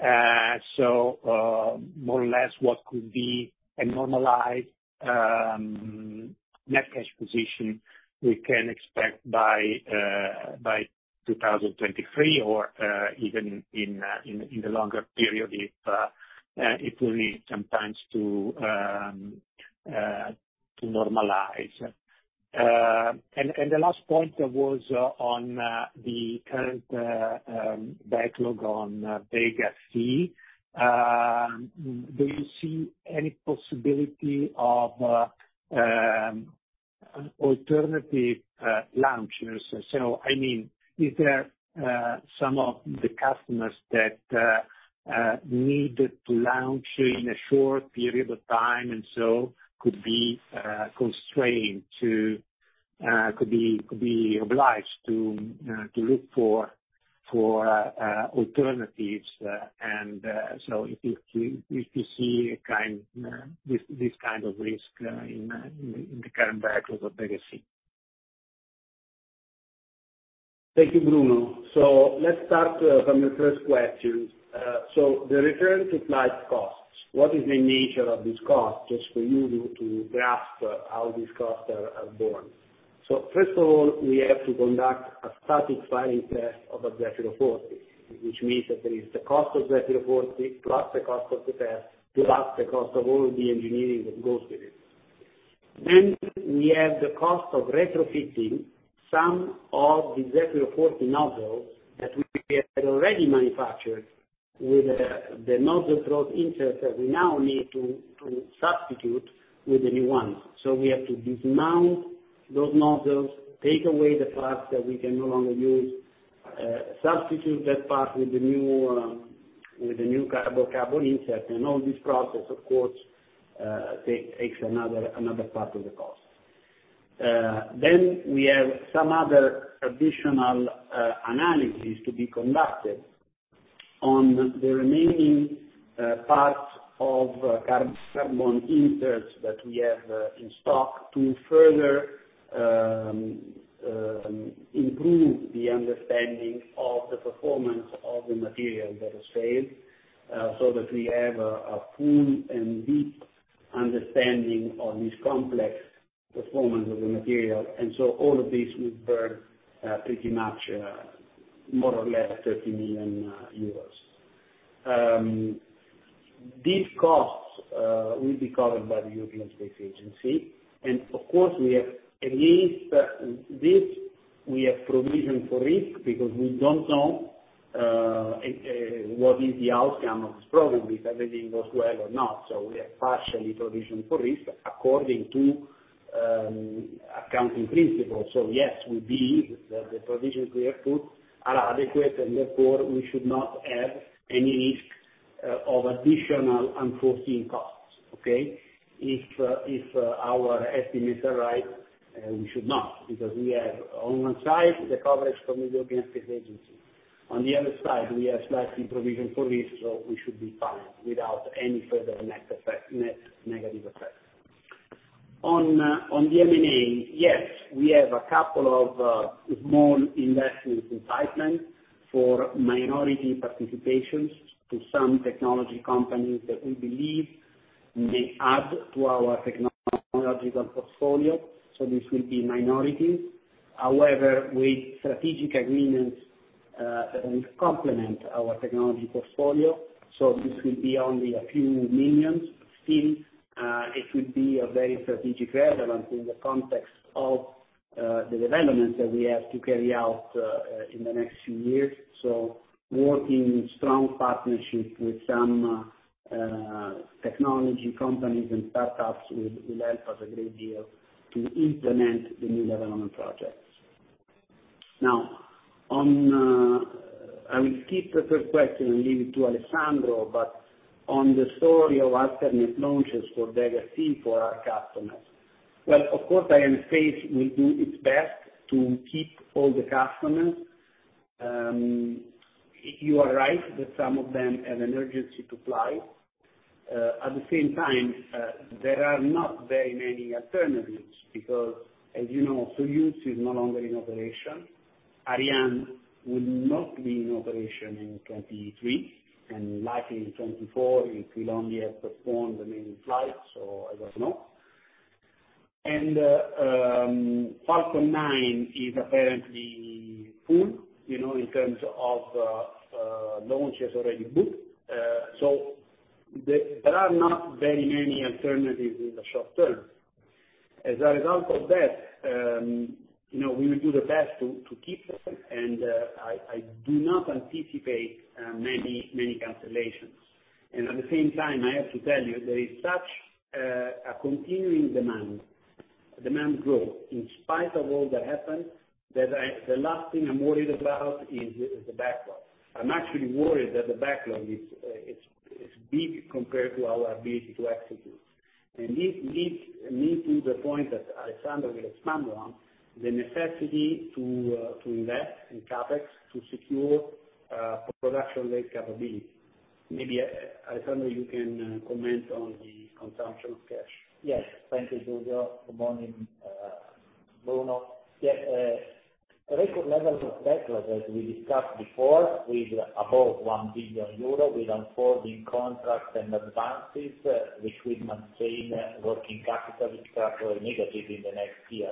More or less what could be a normalized net cash position we can expect by 2023, or even in the longer period, if it will need some time to normalize. The last point was on the current backlog on Vega C. Some of the customers that need to launch in a short period of time, and so could be constrained to, could be obliged to look for alternatives. If you see this kind of risk in the current backlog of Vega C? Thank you, Bruno. Let's start from the first question. The return to flight costs, what is the nature of this cost, just for you to grasp how these costs are borne? First of all, we have to conduct a static firing test of a Zefiro 40, which means that there is the cost of Zefiro 40, plus the cost of the test, plus the cost of all the engineering that goes with it. We have the cost of retrofitting some of the Zefiro 40 nozzles that we have already manufactured with the nozzle throat insert that we now need to substitute with the new one. We have to dismount those nozzles, take away the parts that we can no longer use, substitute that part with the new carbon-carbon insert. All this process, of course, takes another part of the cost. We have some other additional analyses to be conducted on the remaining parts of carbon-carbon inserts that we have in stock to further improve the understanding of the performance of the material that has failed, so that we have a full and deep understanding of this complex performance of the material. All of this will burn pretty much more or less 30 million euros. These costs will be covered by the European Space Agency, and of course we have at least this, we have provision for risk because we don't know what is the outcome of this program, if everything goes well or not. We have partially provisioned for risk according to accounting principles. Yes, we believe that the provisions we have put are adequate, and therefore we should not have any risk of additional unforeseen costs. Okay. If our estimates are right, we should not, because we have on one side the coverage from the European Space Agency. On the other side, we have slightly provisioned for risk, so we should be fine without any further net effect, net negative effect. On the M&A, yes, we have a couple of small investments in pipeline for minority participations to some technology companies that we believe may add to our technological portfolio. This will be minorities. However, with strategic agreements, that will complement our technology portfolio. This will be only a few millions. It will be a very strategic relevance in the context of the development that we have to carry out in the next few years. Working in strong partnership with some technology companies and startups will help us a great deal to implement the new development projects. I will skip the third question and leave it to Alessandro, but on the story of alternate launches for Vega C for our customers. Of course, I am faced with do its best to keep all the customers. You are right that some of them have an urgency to fly. At the same time, there are not very many alternatives because as you know, Soyuz is no longer in operation. Ariane will not be in operation in 2023, likely in 2024 it will only have performed the main flights or I don't know. Falcon 9 is apparently full, you know, in terms of launches already booked. There are not very many alternatives in the short term. As a result of that, you know, we will do the best to keep them. I do not anticipate many cancellations. At the same time, I have to tell you, there is such a continuing demand growth, in spite of all that happened, that the last thing I'm worried about is the backlog. I'm actually worried that the backlog is big compared to our ability to execute. This leads me to the point that Alessandro will expand on, the necessity to invest in CapEx to secure production lead capability. Maybe Alessandro, you can comment on the consumption of cash. Yes, thank you, Giulio. Good morning, Bruno. Record levels of backlog as we discussed before, with above 1 billion euro with unfolding contracts and advances, which will maintain working capital structure negative in the next year.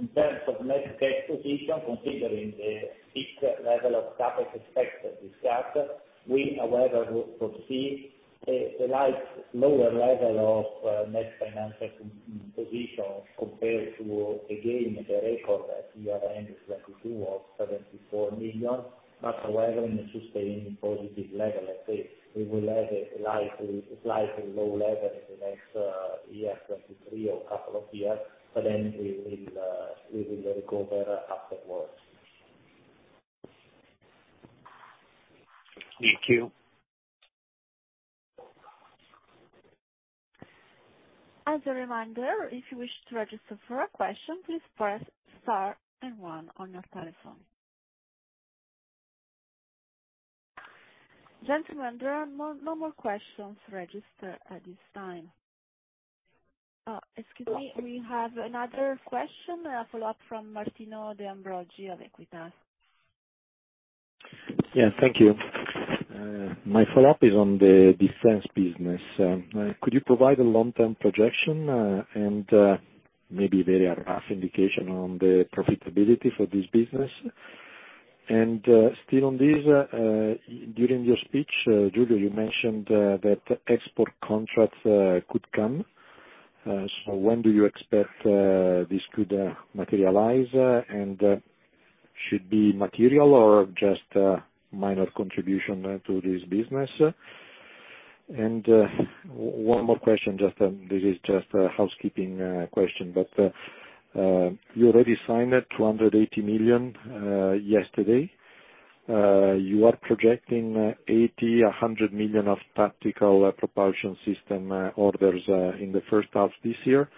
In terms of net cash position, considering the peak level of CapEx expected this year, we however will proceed a light lower level of net financial position compared to again, the record at year end 2022 was 74 million. In a sustained positive level, let's say. We will have a slightly low level in the next year, 2023 or couple of years, we will recover afterwards. Thank you. As a reminder, if you wish to register for a question, please press star one on your telephone. Gentlemen, there are no more questions registered at this time. Excuse me, we have another question, a follow-up from Martino De Ambroggi of Equita. Yeah, thank you. My follow-up is on the defense business. Could you provide a long-term projection and maybe very rough indication on the profitability for this business? Still on this, during your speech, Giulio, you mentioned that export contracts could come. When do you expect this could materialize and should it be material or just a minor contribution to this business? One more question, just, this is just a housekeeping question. You already signed that 280 million yesterday. You are projecting 80 million-100 million of tactical propulsion system orders in the first half this year.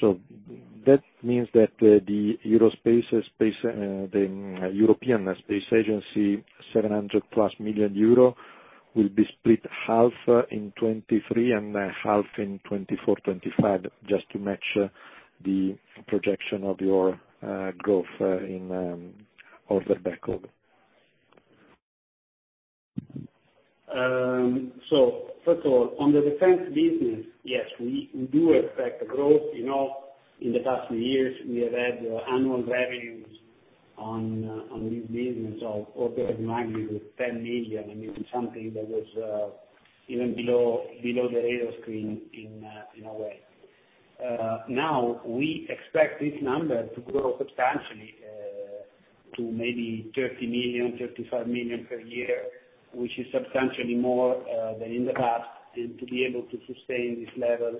That means that the European Space Agency, 700+ million euro will be split half in 2023 and half in 2024-2025, just to match the projection of your growth in order backlog. First of all, on the defense business, yes, we do expect growth. You know, in the past years we have had annual revenues on this business of order of magnitude 10 million, this is something that was even below the radar screen in a way. Now we expect this number to grow substantially to maybe 30 million-35 million per year, which is substantially more than in the past, to be able to sustain this level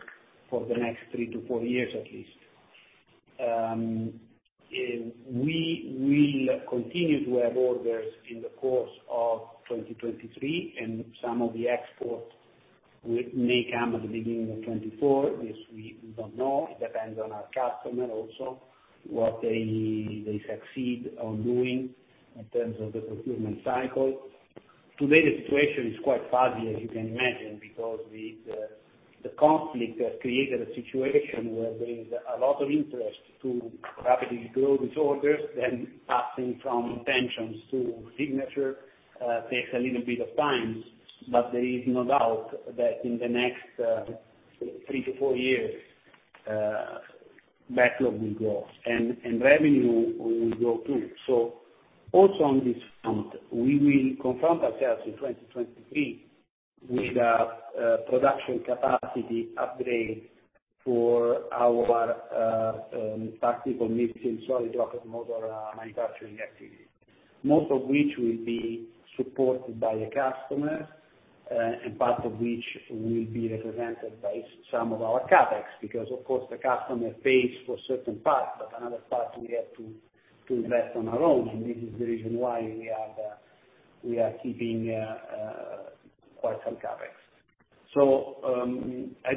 for the next three to four years at least. We will continue to have orders in the course of 2023, some of the exports may come at the beginning of 2024. This we don't know. It depends on our customer also, what they succeed on doing in terms of the procurement cycle. Today, the situation is quite fuzzy, as you can imagine, because the conflict has created a situation where there is a lot of interest to rapidly grow these orders, then passing from intentions to signature takes a little bit of time. There is no doubt that in the next three to four years, backlog will grow and revenue will grow too. Also on this front, we will confront ourselves in 2023 with a production capacity upgrade for our tactical missile solid rocket motor manufacturing activity. Most of which will be supported by the customer, and part of which will be represented by some of our CapEx. Of course the customer pays for certain parts, but another part we have to invest on our own, and this is the reason why we are keeping quite some CapEx.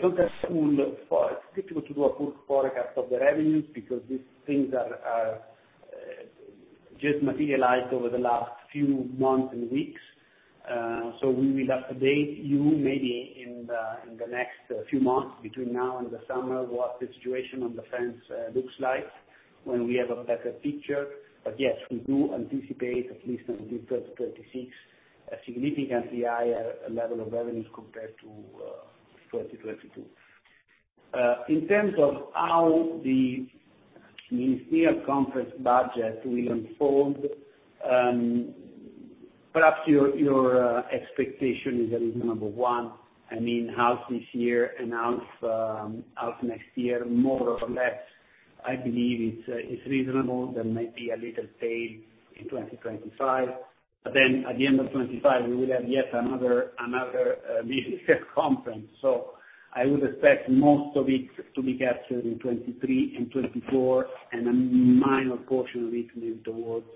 It's difficult to do a full forecast of the revenues because these things are just materialized over the last few months and weeks. We will update you maybe in the next few months between now and the summer, what the situation on defense looks like when we have a better picture. Yes, we do anticipate at least until 2026, a significantly higher level of revenues compared to 2022. In terms of how the Ministerial Conference budget will unfold, perhaps your expectation is reasonable. One, an in-house this year and out next year, more or less. I believe it's reasonable. There might be a little fade in 2025. At the end of 2025, we will have yet another business conference. I would expect most of it to be captured in 2023 and 2024, and a minor portion of it moved towards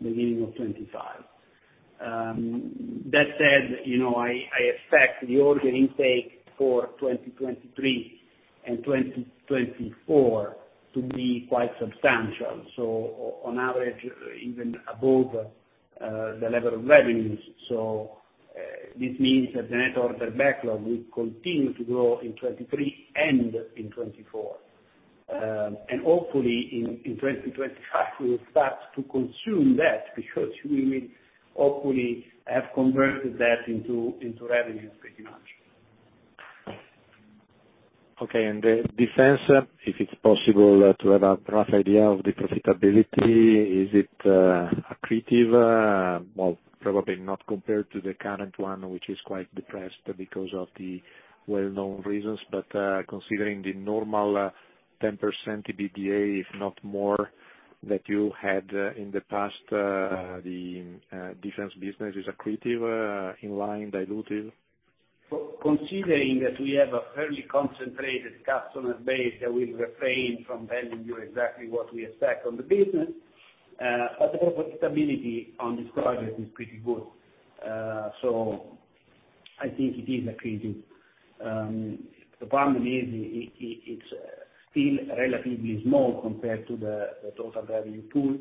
beginning of 2025. That said, you know, I expect the order intake for 2023 and 2024 to be quite substantial. On average, even above the level of revenues. This means that the net order backlog will continue to grow in 2023 and in 2024. And hopefully in 2025, we'll start to consume that because we will hopefully have converted that into revenues pretty much. Okay. The defense, if it's possible, to have a rough idea of the profitability, is it accretive? Well, probably not compared to the current one, which is quite depressed because of the well-known reasons, but considering the normal 10% EBITDA, if not more that you had in the past, the defense business is accretive, in line, dilutive? Co-considering that we have a fairly concentrated customer base that will refrain from telling you exactly what we expect on the business. The profitability on this project is pretty good. I think it is accretive. The problem is it's still relatively small compared to the total value pool.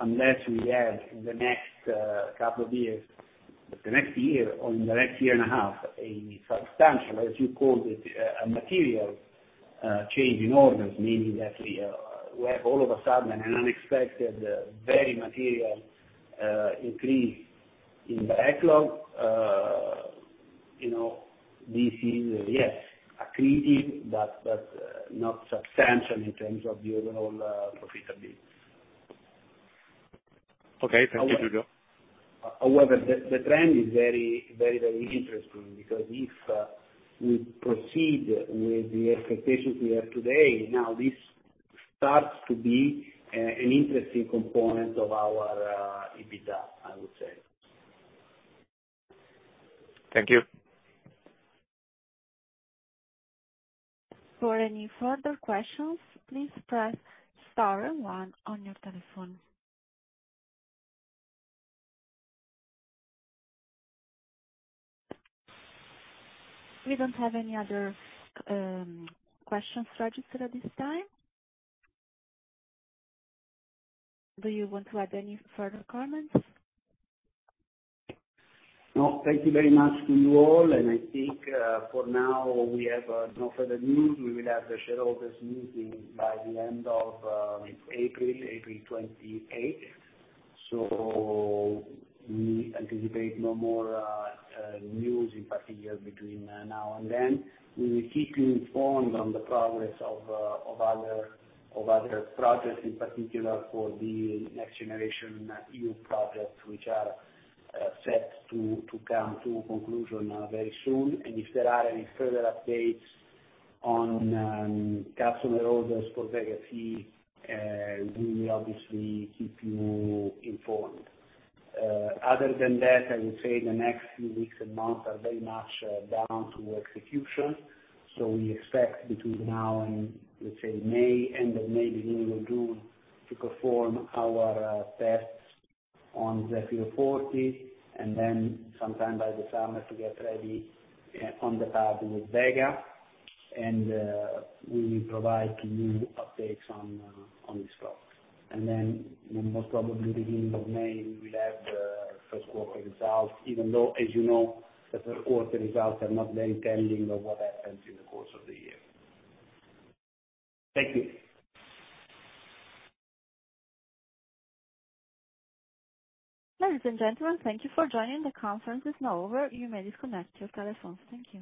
Unless wevhave in the next couple of years, the next year or in the next year and a half, a substantial, as you called it, a material change in orders, meaning that we have all of a sudden an unexpected, very material increase in backlog. You know, this is, yes, accretive, but not substantial in terms of the overall profitability. Okay. Thank you, Giulio. However, the trend is very, very, very interesting because if we proceed with the expectations we have today, now this starts to be an interesting component of our EBITDA, I would say. Thank you. For any further questions, please press star one on your telephone. We don't have any other questions registered at this time. Do you want to add any further comments? No. Thank you very much to you all. I think, for now, we have no further news. We will have the shareholders meeting by the end of April 28th. We anticipate no more news in particular between now and then. We will keep you informed on the progress of other projects in particular for the NextGenerationEU projects, which are set to come to conclusion very soon. If there are any further updates on customer orders for Vega C, we will obviously keep you informed. Other than that, I would say the next few weeks and months are very much down to execution. We expect between now and let's say May, end of May, beginning of June, to perform our tests on Zefiro 40, and then sometime by the summer to get ready on the path with Vega. We will provide to you updates on this call. Most probably beginning of May, we'll have the first quarter results, even though, as you know, the first quarter results are not very telling of what happens in the course of the year. Thank you. Ladies and gentlemen, thank you for joining. The conference is now over. You may disconnect your telephones. Thank you.